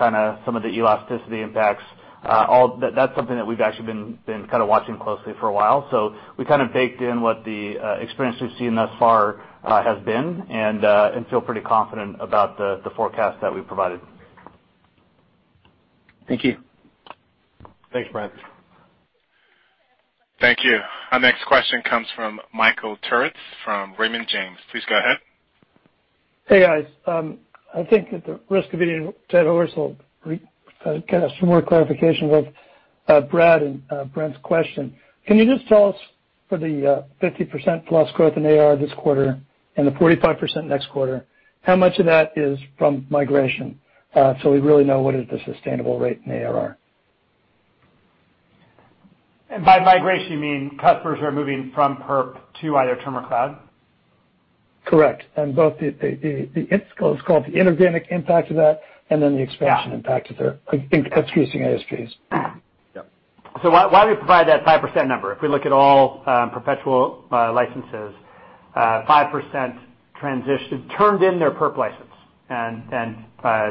some of the elasticity impacts. That's something that we've actually been kind of watching closely for a while. We kind of baked in what the experience we've seen thus far has been and feel pretty confident about the forecast that we provided. Thank you. Thanks, Brent. Thank you. Our next question comes from Michael Turits from Raymond James. Please go ahead. Hey, guys. I think at the risk of being a dead horse, can I get some more clarification of Brad and Brent's question? Can you just tell us for the 50% plus growth in ARR this quarter and the 45% next quarter, how much of that is from migration so we really know what is the sustainable rate in ARR? By migration, you mean customers who are moving from perp to either term or cloud? Correct. Both the, it's called the inorganic impact of that, and then the expansion impact of their increasing ASTs. Yep. Why we provide that 5% number, if we look at all perpetual licenses, 5% transitioned, turned in their perp license and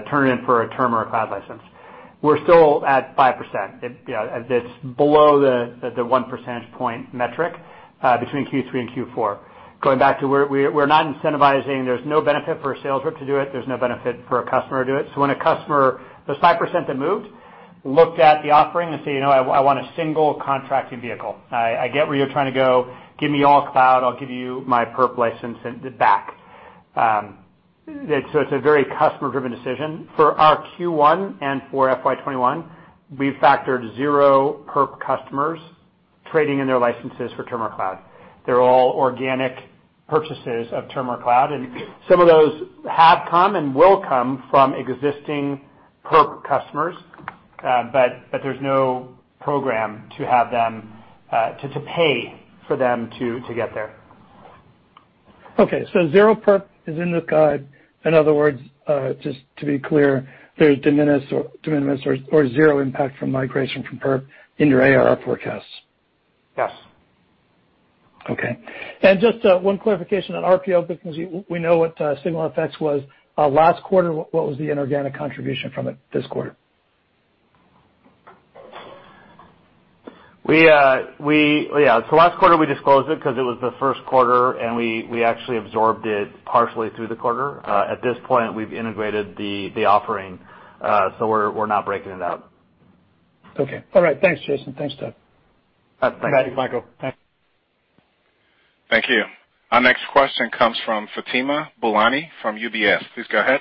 turned it in for a term or a cloud license. We're still at 5%. It's below the one percentage point metric between Q3 and Q4. Going back to we're not incentivizing, there's no benefit for a sales rep to do it, there's no benefit for a customer to do it. When a customer, those 5% that moved, looked at the offering and say, "I want a single contracting vehicle. I get where you're trying to go, give me all cloud, I'll give you my perp license back." It's a very customer-driven decision. For our Q1 and for FY 2021, we've factored zero perp customers trading in their licenses for Term or Cloud. They're all organic purchases of Term or Cloud, and some of those have come and will come from existing perp customers. There's no program to pay for them to get there. Okay. Zero perp is in the guide. In other words, just to be clear, there's de minimis or zero impact from migration from perp in your ARR forecasts. Yes. Okay. Just one clarification on RPO bookings. We know what SignalFx was last quarter. What was the inorganic contribution from it this quarter? Last quarter we disclosed it because it was the first quarter, and we actually absorbed it partially through the quarter. At this point, we've integrated the offering, so we're not breaking it out. Okay. All right. Thanks, Jason. Thanks, Doug. Thanks. Back to you, Michael. Thanks. Thank you. Our next question comes from Fatima Boolani from UBS. Please go ahead.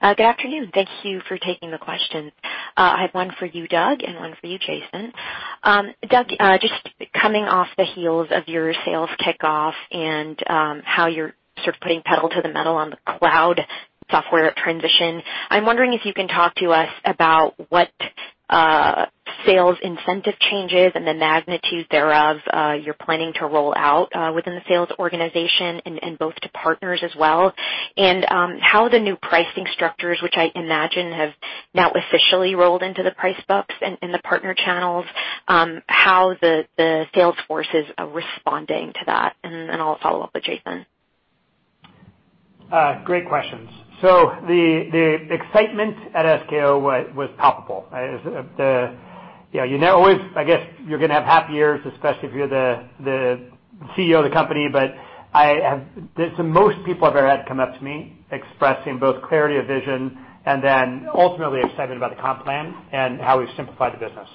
Good afternoon. Thank you for taking the question. I have one for you, Doug, and one for you, Jason. Doug, just coming off the heels of your sales kickoff and how you're sort of putting pedal to the metal on the cloud software transition, I'm wondering if you can talk to us about what sales incentive changes and the magnitude thereof you're planning to roll out within the sales organization and both to partners as well. How the new pricing structures, which I imagine have now officially rolled into the price books and the partner channels, how the sales forces are responding to that. I'll follow up with Jason. Great questions. The excitement at SKO was palpable. I guess you're going to have happy ears, especially if you're the CEO of the company, but most people I've ever had come up to me expressing both clarity of vision and then ultimately excitement about the comp plan and how we've simplified the business.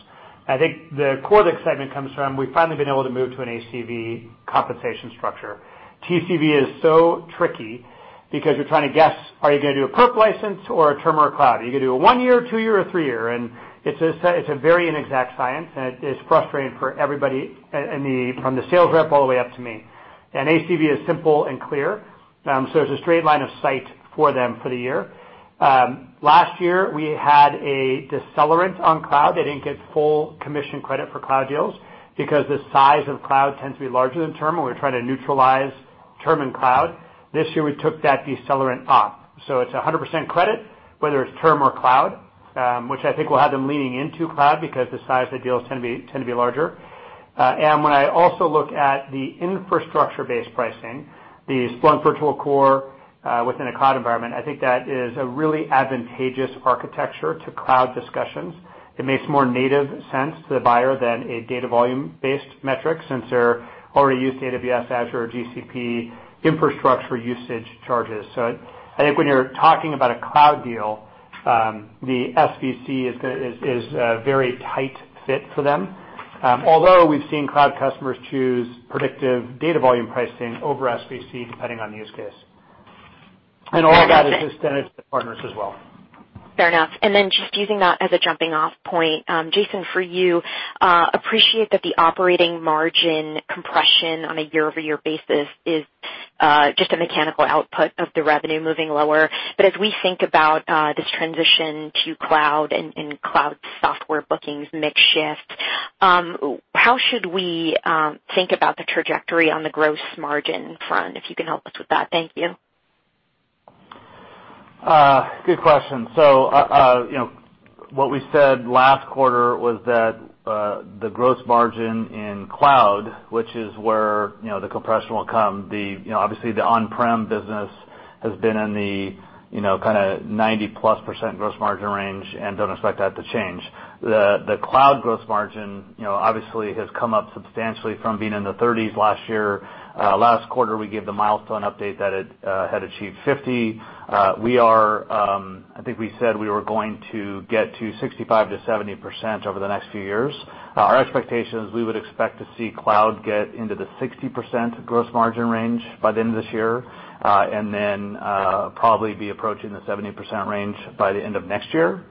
I think the core of the excitement comes from we've finally been able to move to an ACV compensation structure. TCV is so tricky because you're trying to guess, are you going to do a perp license or a term or a cloud? Are you going to do a one year, two year, or three year? It's a very inexact science, and it is frustrating for everybody from the sales rep all the way up to me. ACV is simple and clear. There's a straight line of sight for them for the year. Last year, we had a decelerant on cloud. They didn't get full commission credit for cloud deals because the size of cloud tends to be larger than term, and we were trying to neutralize term and cloud. This year we took that decelerant off. It's 100% credit, whether it's term or cloud, which I think will have them leaning into cloud because the size of the deals tend to be larger. When I also look at the infrastructure-based pricing, the Splunk Virtual Core within a cloud environment, I think that is a really advantageous architecture to cloud discussions. It makes more native sense to the buyer than a data volume-based metric, since they already use AWS, Azure, or GCP infrastructure usage charges. I think when you're talking about a cloud deal, the SVC is a very tight fit for them. Although we've seen cloud customers choose predictive data volume pricing over SVC depending on use case. All that is extended to the partners as well. Fair enough. Just using that as a jumping off point, Jason, for you, appreciate that the operating margin compression on a year-over-year basis is just a mechanical output of the revenue moving lower. As we think about this transition to cloud and cloud software bookings mix shift, how should we think about the trajectory on the gross margin front, if you can help us with that? Thank you. Good question. What we said last quarter was that the gross margin in cloud, which is where the compression will come, obviously the on-prem business has been in the kind of 90%+ gross margin range and do not expect that to change. The cloud gross margin obviously has come up substantially from being in the 30s last year. Last quarter, we gave the milestone update that it had achieved 50%. I think we said we were going to get to 65%-70% over the next few years. Our expectation is we would expect to see cloud get into the 60% gross margin range by the end of this year, and then probably be approaching the 70% range by the end of next year.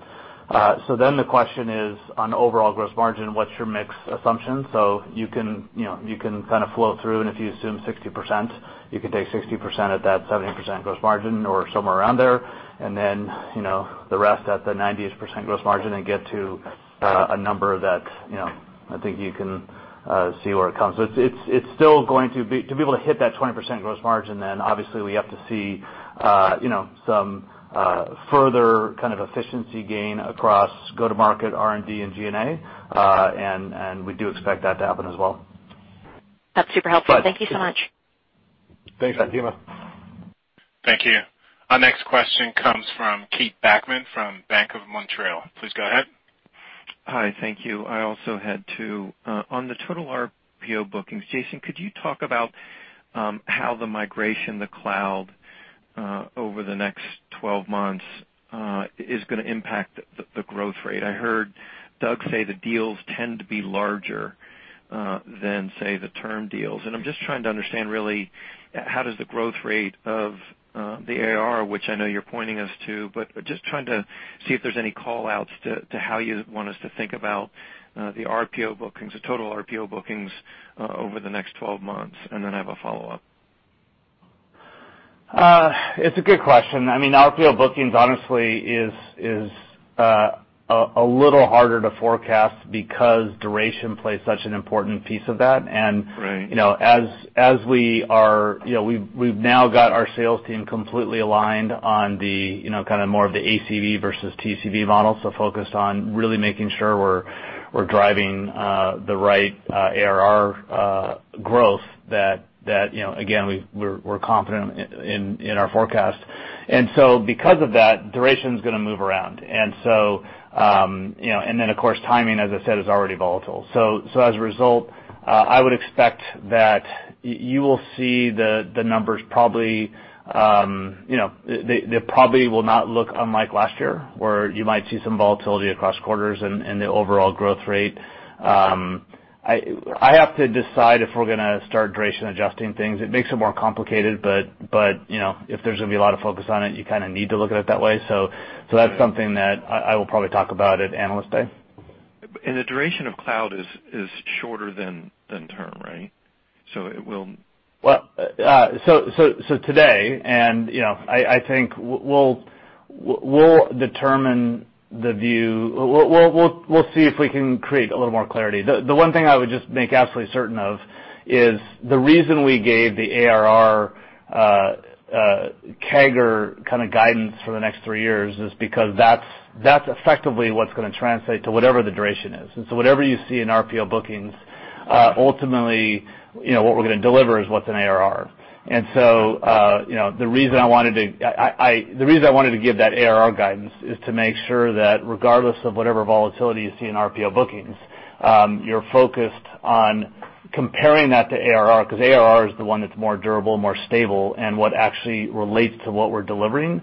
The question is on overall gross margin, what's your mix assumption? You can kind of flow through and if you assume 60%, you can take 60% at that 70% gross margin or somewhere around there. The rest at the 90% gross margin and get to a number that I think you can see where it comes. To be able to hit that 20% gross margin, then obviously we have to see some further kind of efficiency gain across go-to-market R&D and G&A, and we do expect that to happen as well. That's super helpful. Thank you so much. Thanks, Fatima. Thank you. Our next question comes from Keith Bachman from Bank of Montreal. Please go ahead. Hi. Thank you. I also had two. On the total RPO bookings, Jason, could you talk about how the migration to cloud over the next 12 months is going to impact the growth rate? I heard Doug say the deals tend to be larger than, say, the term deals. I'm just trying to understand really how does the growth rate of the ARR, which I know you're pointing us to, but just trying to see if there's any call-outs to how you want us to think about the total RPO bookings over the next 12 months. Then I have a follow-up. It's a good question. I mean, RPO bookings honestly is a little harder to forecast because duration plays such an important piece of that. Right. We've now got our sales team completely aligned on more of the ACV versus TCV model, so focused on really making sure we're driving the right ARR growth that, again, we're confident in our forecast. Because of that, duration's going to move around. Of course, timing, as I said, is already volatile. As a result, I would expect that you will see the numbers probably will not look unlike last year, or you might see some volatility across quarters in the overall growth rate. I have to decide if we're going to start duration adjusting things. It makes it more complicated, but if there's going to be a lot of focus on it, you need to look at it that way. That's something that I will probably talk about at Analyst Day. The duration of cloud is shorter than term, right? Today, and I think we'll determine the view. We'll see if we can create a little more clarity. The one thing I would just make absolutely certain of is the reason we gave the ARR CAGR kind of guidance for the next three years is because that's effectively what's going to translate to whatever the duration is. Whatever you see in RPO bookings, ultimately, what we're going to deliver is what's an ARR. The reason I wanted to give that ARR guidance is to make sure that regardless of whatever volatility you see in RPO bookings, you're focused on comparing that to ARR, because ARR is the one that's more durable, more stable, and what actually relates to what we're delivering.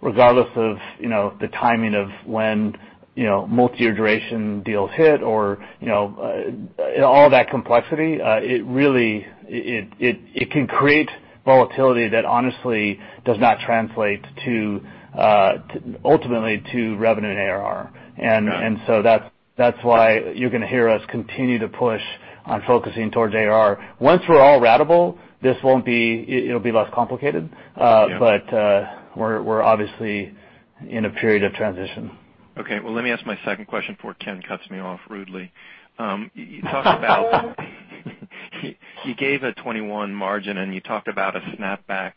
Regardless of the timing of when multi-year duration deals hit or all that complexity, it can create volatility that honestly does not translate ultimately to revenue and ARR. That's why you're going to hear us continue to push on focusing towards ARR. Once we're all ratable, it'll be less complicated. Yeah. We're obviously in a period of transition. Okay. Well, let me ask my second question before Ken cuts me off rudely. You gave a 2021 margin, and you talked about a snapback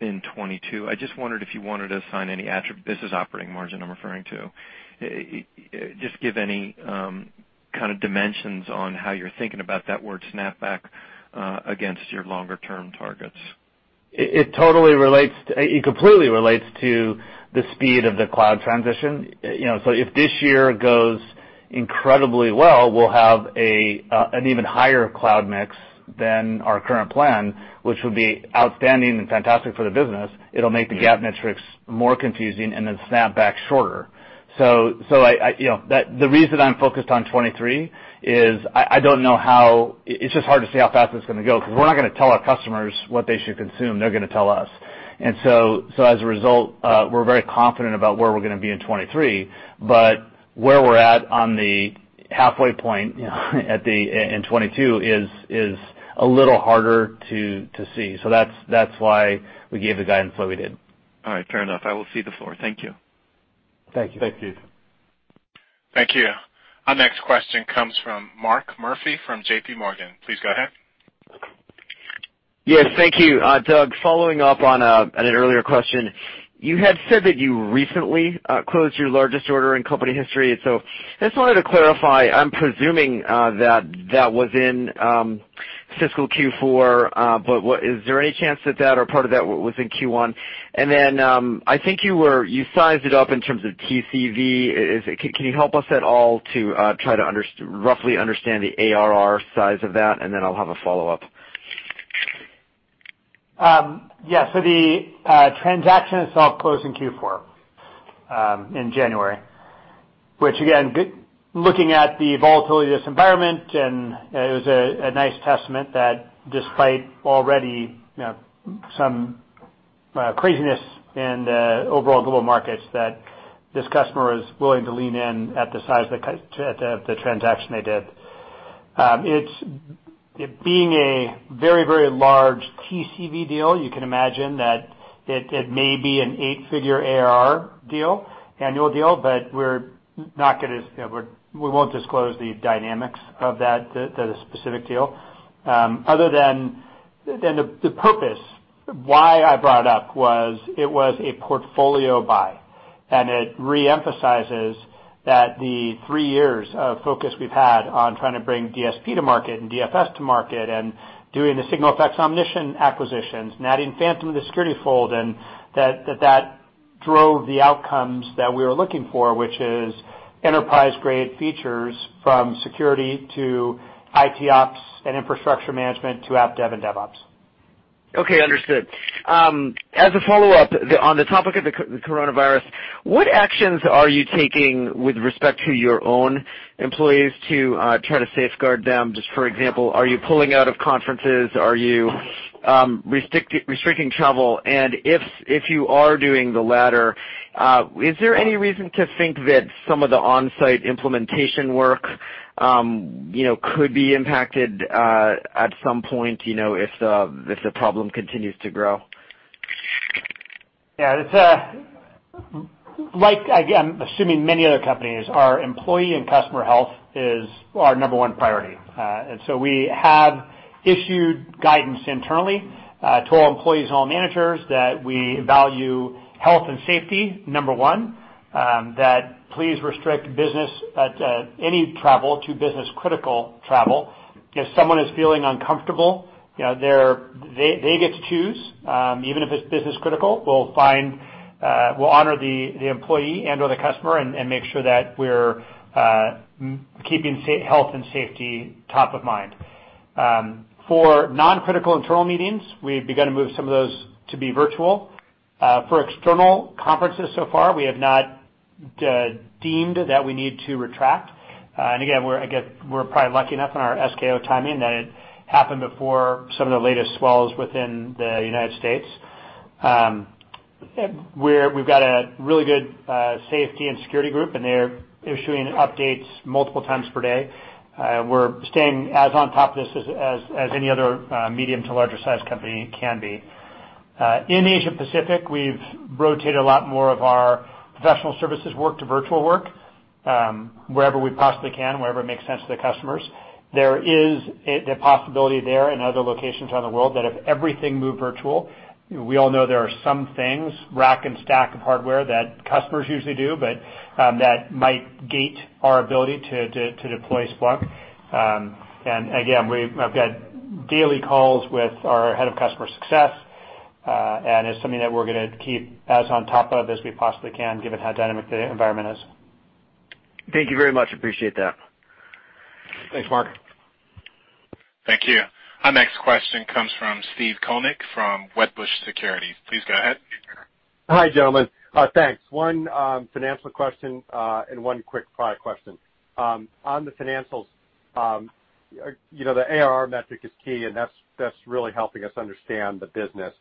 in 2022. I just wondered if you wanted to assign any attribute. This is operating margin I'm referring to. Just give any kind of dimensions on how you're thinking about that word snapback, against your longer-term targets. It completely relates to the speed of the cloud transition. If this year goes incredibly well, we'll have an even higher cloud mix than our current plan, which would be outstanding and fantastic for the business. It'll make the GAAP metrics more confusing and the snapback shorter. The reason I'm focused on 2023 is it's just hard to see how fast it's going to go, because we're not going to tell our customers what they should consume. They're going to tell us. As a result, we're very confident about where we're going to be in 2023, but where we're at on the halfway point in 2022 is a little harder to see. That's why we gave the guidance the way we did. All right, fair enough. I will cede the floor. Thank you. Thank you. Thank you. Thank you. Our next question comes from Mark Murphy from JPMorgan. Please go ahead. Yes, thank you. Doug, following up on an earlier question. You had said that you recently closed your largest order in company history, so I just wanted to clarify, I'm presuming that was in fiscal Q4, but is there any chance that that or part of that was in Q1? I think you sized it up in terms of TCV. Can you help us at all to try to roughly understand the ARR size of that? I'll have a follow-up. Yeah. The transaction itself closed in Q4, in January, which again, looking at the volatility of this environment, and it was a nice testament that despite already some craziness in the overall global markets, that this customer was willing to lean in at the size of the transaction they did. It being a very large TCV deal, you can imagine that it may be an eight-figure ARR deal, annual deal, but we won't disclose the dynamics of that specific deal. Other than the purpose, why I brought it up was it was a portfolio buy, and it reemphasizes that the three years of focus we've had on trying to bring DSP to market and DFS to market and doing the SignalFx, Omnition acquisitions and adding Phantom to the security fold, and that drove the outcomes that we were looking for, which is enterprise-grade features from security to ITOps and infrastructure management to AppDev and DevOps. Okay, understood. As a follow-up, on the topic of the coronavirus, what actions are you taking with respect to your own employees to try to safeguard them? Just for example, are you pulling out of conferences? Are you restricting travel? If you are doing the latter, is there any reason to think that some of the on-site implementation work? could be impacted at some point if the problem continues to grow? Yeah. I'm assuming many other companies, our employee and customer health is our number one priority. We have issued guidance internally, to all employees and all managers, that we value health and safety, number one, that please restrict any travel to business critical travel. If someone is feeling uncomfortable, they get to choose, even if it's business critical. We'll honor the employee and/or the customer and make sure that we're keeping health and safety top of mind. For non-critical internal meetings, we've begun to move some of those to be virtual. For external conferences so far, we have not deemed that we need to retract. Again, we're probably lucky enough in our SKO timing that it happened before some of the latest swells within the U.S. We've got a really good safety and security group, and they're issuing updates multiple times per day. We're staying as on top of this as any other medium to larger size company can be. In Asia Pacific, we've rotated a lot more of our professional services work to virtual work, wherever we possibly can, wherever it makes sense to the customers. There is the possibility there and other locations around the world that if everything moved virtual, we all know there are some things, rack and stack of hardware that customers usually do, but that might gate our ability to deploy Splunk. Again, I've got daily calls with our head of customer success, and it's something that we're going to keep as on top of as we possibly can, given how dynamic the environment is. Thank you very much. Appreciate that. Thanks, Mark. Thank you. Our next question comes from Steve Koenig from Wedbush Securities. Please go ahead. Hi, gentlemen. Thanks. One financial question, one quick product question. On the financials, the ARR metric is key, and that's really helping us understand the business.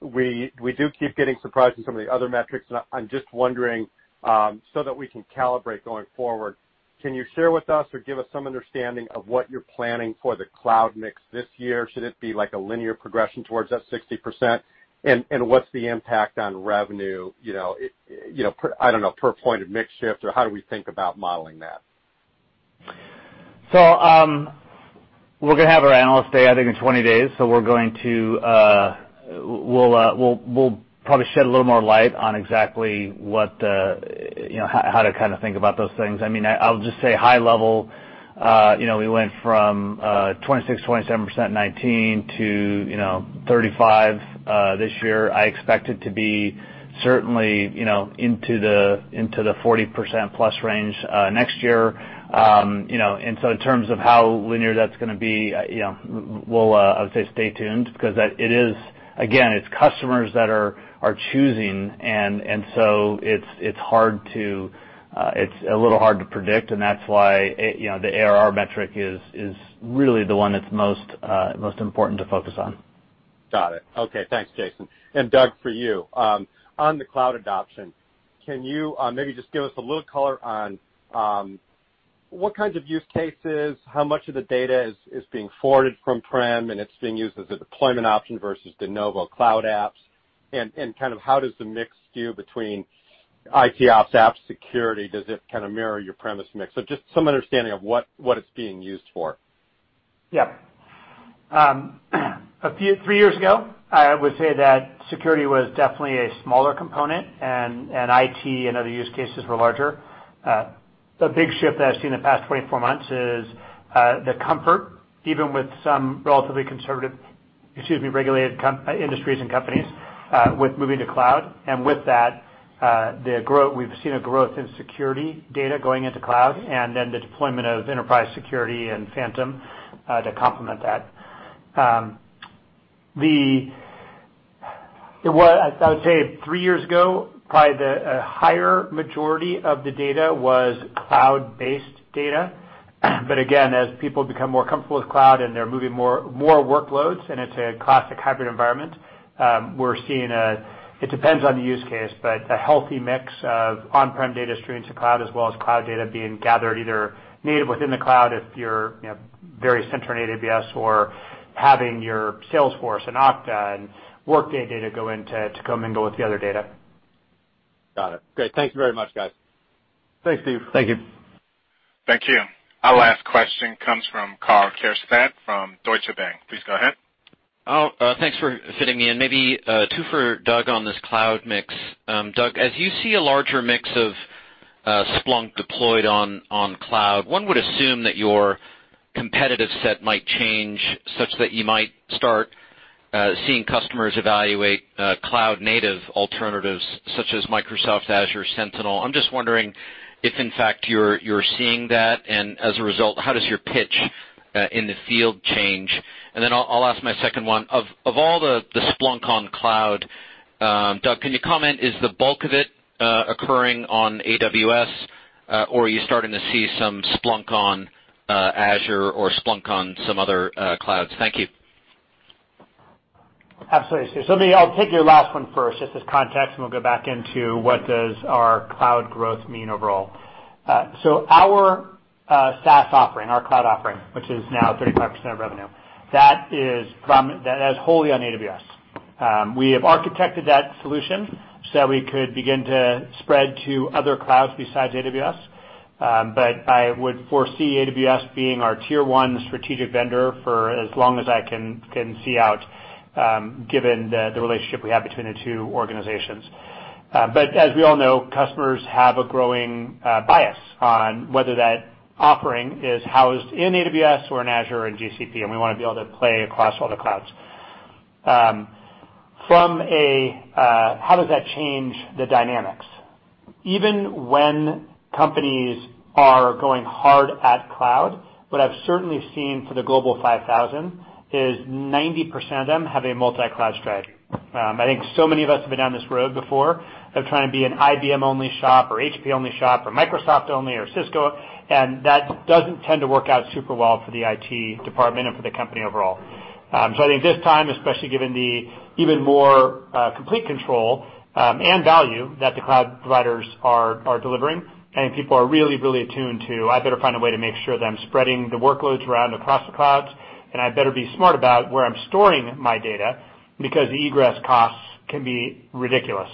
We do keep getting surprised in some of the other metrics, and I'm just wondering, so that we can calibrate going forward, can you share with us or give us some understanding of what you're planning for the cloud mix this year? Should it be like a linear progression towards that 60%? What's the impact on revenue, I don't know, per point of mix shift, or how do we think about modeling that? We're going to have our Analyst Day, I think, in 20 days. We'll probably shed a little more light on exactly how to think about those things. I'll just say high level, we went from 26%, 27% in 2019 to 35% this year. I expect it to be certainly into the 40% plus range next year. In terms of how linear that's going to be, I would say stay tuned because, again, it's customers that are choosing, and so it's a little hard to predict, and that's why the ARR metric is really the one that's most important to focus on. Got it. Okay. Thanks, Jason. Doug, for you, on the cloud adoption, can you maybe just give us a little color on what kinds of use cases, how much of the data is being forwarded from prem, and it's being used as a deployment option versus de novo cloud apps, and how does the mix skew between ITOps app security? Does it mirror your premise mix? Just some understanding of what it's being used for. Yeah. Three years ago, I would say that security was definitely a smaller component, and IT and other use cases were larger. The big shift that I've seen in the past 24 months is the comfort, even with some relatively conservative, regulated industries and companies, with moving to cloud. With that, we've seen a growth in security data going into cloud, and then the deployment of enterprise security and Phantom to complement that. I would say three years ago, probably the higher majority of the data was cloud-based data. Again, as people become more comfortable with cloud and they're moving more workloads and it's a classic hybrid environment, we're seeing, it depends on the use case, but a healthy mix of on-prem data streaming to cloud as well as cloud data being gathered either native within the cloud if you're very center in AWS or having your Salesforce and Okta and Workday data go in to commingle with the other data. Got it. Great. Thank you very much, guys. Thanks, Steve. Thank you. Thank you. Our last question comes from Karl Keirstad from Deutsche Bank. Please go ahead. Thanks for fitting me in. Maybe two for Doug on this cloud mix. Doug, as you see a larger mix of Splunk deployed on cloud, one would assume that your competitive set might change such that you might start seeing customers evaluate cloud native alternatives such as Microsoft Sentinel. I'm just wondering if in fact you're seeing that, and as a result, how does your pitch in the field change? I'll ask my second one. Of all the Splunk on cloud, Doug, can you comment, is the bulk of it occurring on AWS? Are you starting to see some Splunk on Azure or Splunk on some other clouds? Thank you. Absolutely, Karl. I'll take your last one first, just as context, we'll go back into what does our cloud growth mean overall. Our SaaS offering, our cloud offering, which is now 35% of revenue, That is wholly on AWS. We have architected that solution so that we could begin to spread to other clouds besides AWS. I would foresee AWS being our tier 1 strategic vendor for as long as I can see out, given the relationship we have between the two organizations. As we all know, customers have a growing bias on whether that offering is housed in AWS or in Azure or in GCP, we want to be able to play across all the clouds. From a, how does that change the dynamics? Even when companies are going hard at cloud, what I've certainly seen for the Global 5000 is 90% of them have a multi-cloud strategy. I think so many of us have been down this road before of trying to be an IBM-only shop or HP-only shop, or Microsoft-only or Cisco, and that doesn't tend to work out super well for the IT department and for the company overall. I think this time, especially given the even more complete control and value that the cloud providers are delivering, I think people are really, really attuned to, "I better find a way to make sure that I'm spreading the workloads around across the clouds, and I better be smart about where I'm storing my data," because egress costs can be ridiculous.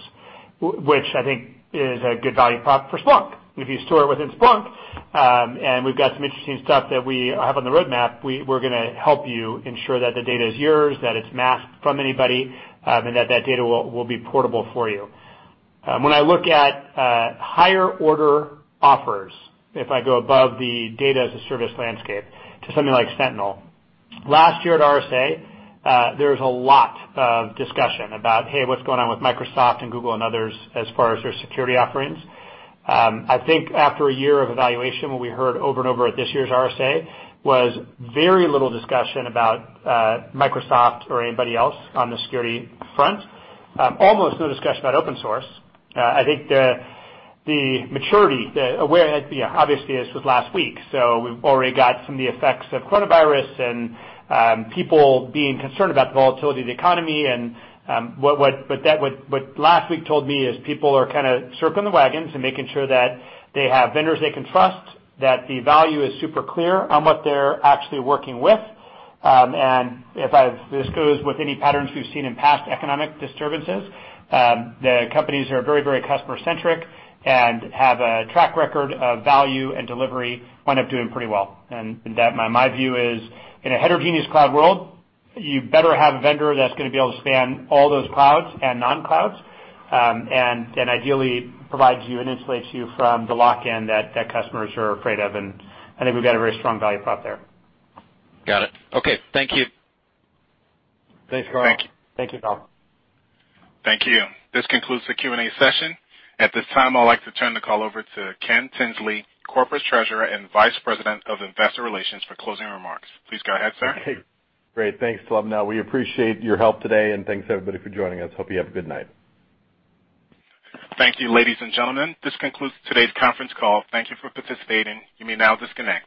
Which I think is a good value prop for Splunk. If you store it within Splunk, and we've got some interesting stuff that we have on the roadmap, we're gonna help you ensure that the data is yours, that it's masked from anybody, and that that data will be portable for you. When I look at higher order offers, if I go above the data as a service landscape to something like Sentinel. Last year at RSA, there was a lot of discussion about, hey, what's going on with Microsoft and Google and others as far as their security offerings. I think after a year of evaluation, what we heard over and over at this year's RSA was very little discussion about Microsoft or anybody else on the security front. Almost no discussion about open source. I think the maturity, the aware-- Obviously, this was last week, so we've already got some of the effects of coronavirus and people being concerned about the volatility of the economy and But what last week told me is people are kind of circling the wagons and making sure that they have vendors they can trust, that the value is super clear on what they're actually working with, and This goes with any patterns we've seen in past economic disturbances, the companies who are very, very customer-centric and have a track record of value and delivery wind up doing pretty well. That my view is, in a heterogeneous cloud world, you better have a vendor that's gonna be able to span all those clouds and non-clouds, and ideally provides you and insulates you from the lock-in that customers are afraid of. I think we've got a very strong value prop there. Got it. Okay. Thank you. Thanks, Karl. Thank you. Thank you, Karl. Thank you. This concludes the Q&A session. At this time, I'd like to turn the call over to Ken Tinsley, Corporate Treasurer and Vice President of Investor Relations, for closing remarks. Please go ahead, sir. Hey, great. Thanks, Dilen. Now, we appreciate your help today, and thanks everybody for joining us. Hope you have a good night. Thank you, ladies and gentlemen. This concludes today's conference call. Thank you for participating. You may now disconnect.